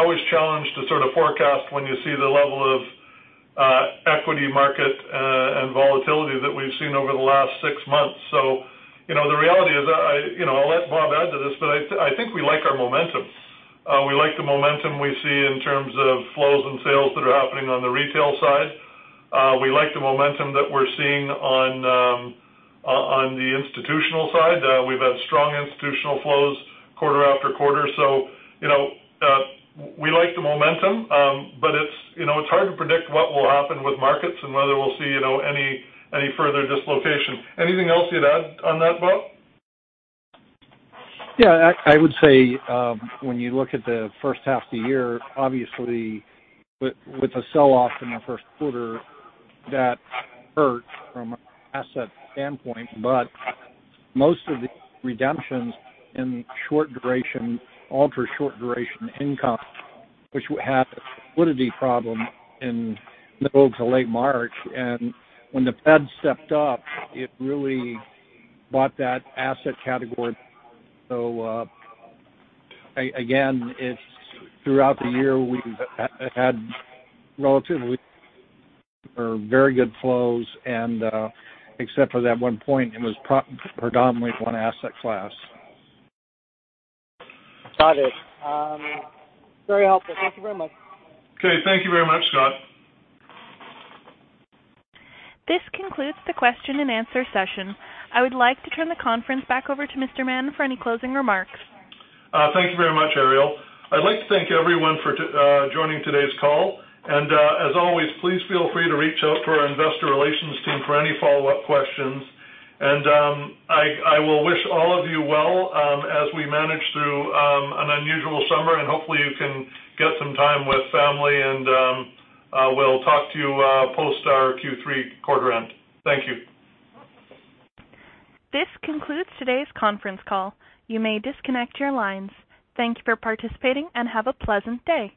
always challenged to sort of forecast when you see the level of equity market and volatility that we've seen over the last six months. The reality is, I'll let Bob add to this, but I think we like our momentum. We like the momentum we see in terms of flows and sales that are happening on the retail side. We like the momentum that we're seeing on the institutional side. We've had strong institutional flows quarter after quarter. We like the momentum, but it's hard to predict what will happen with markets and whether we'll see any further dislocation. Anything else you'd add on that, Bob? Yeah, I would say when you look at the first half of the year, obviously with the sell-off in the first quarter, that hurt from an asset standpoint. Most of the redemptions in the short duration, ultra short duration income, which had a liquidity problem in middle to late March. When the Fed stepped up, it really bought that asset category. Again, throughout the year, we've had relatively or very good flows. Except for that one point, it was predominantly one asset class. Got it. Very helpful. Thank you very much. Okay. Thank you very much, Scott. This concludes the question-and-answer session. I would like to turn the conference back over to Mr. Mahon for any closing remarks. Thank you very much, Ariel. I'd like to thank everyone for joining today's call. As always, please feel free to reach out to our investor relations team for any follow-up questions. I will wish all of you well as we manage through an unusual summer. Hopefully you can get some time with family, and we'll talk to you post our Q3 quarter end. Thank you. This concludes today's conference call. You may disconnect your lines. Thank you for participating, and have a pleasant day.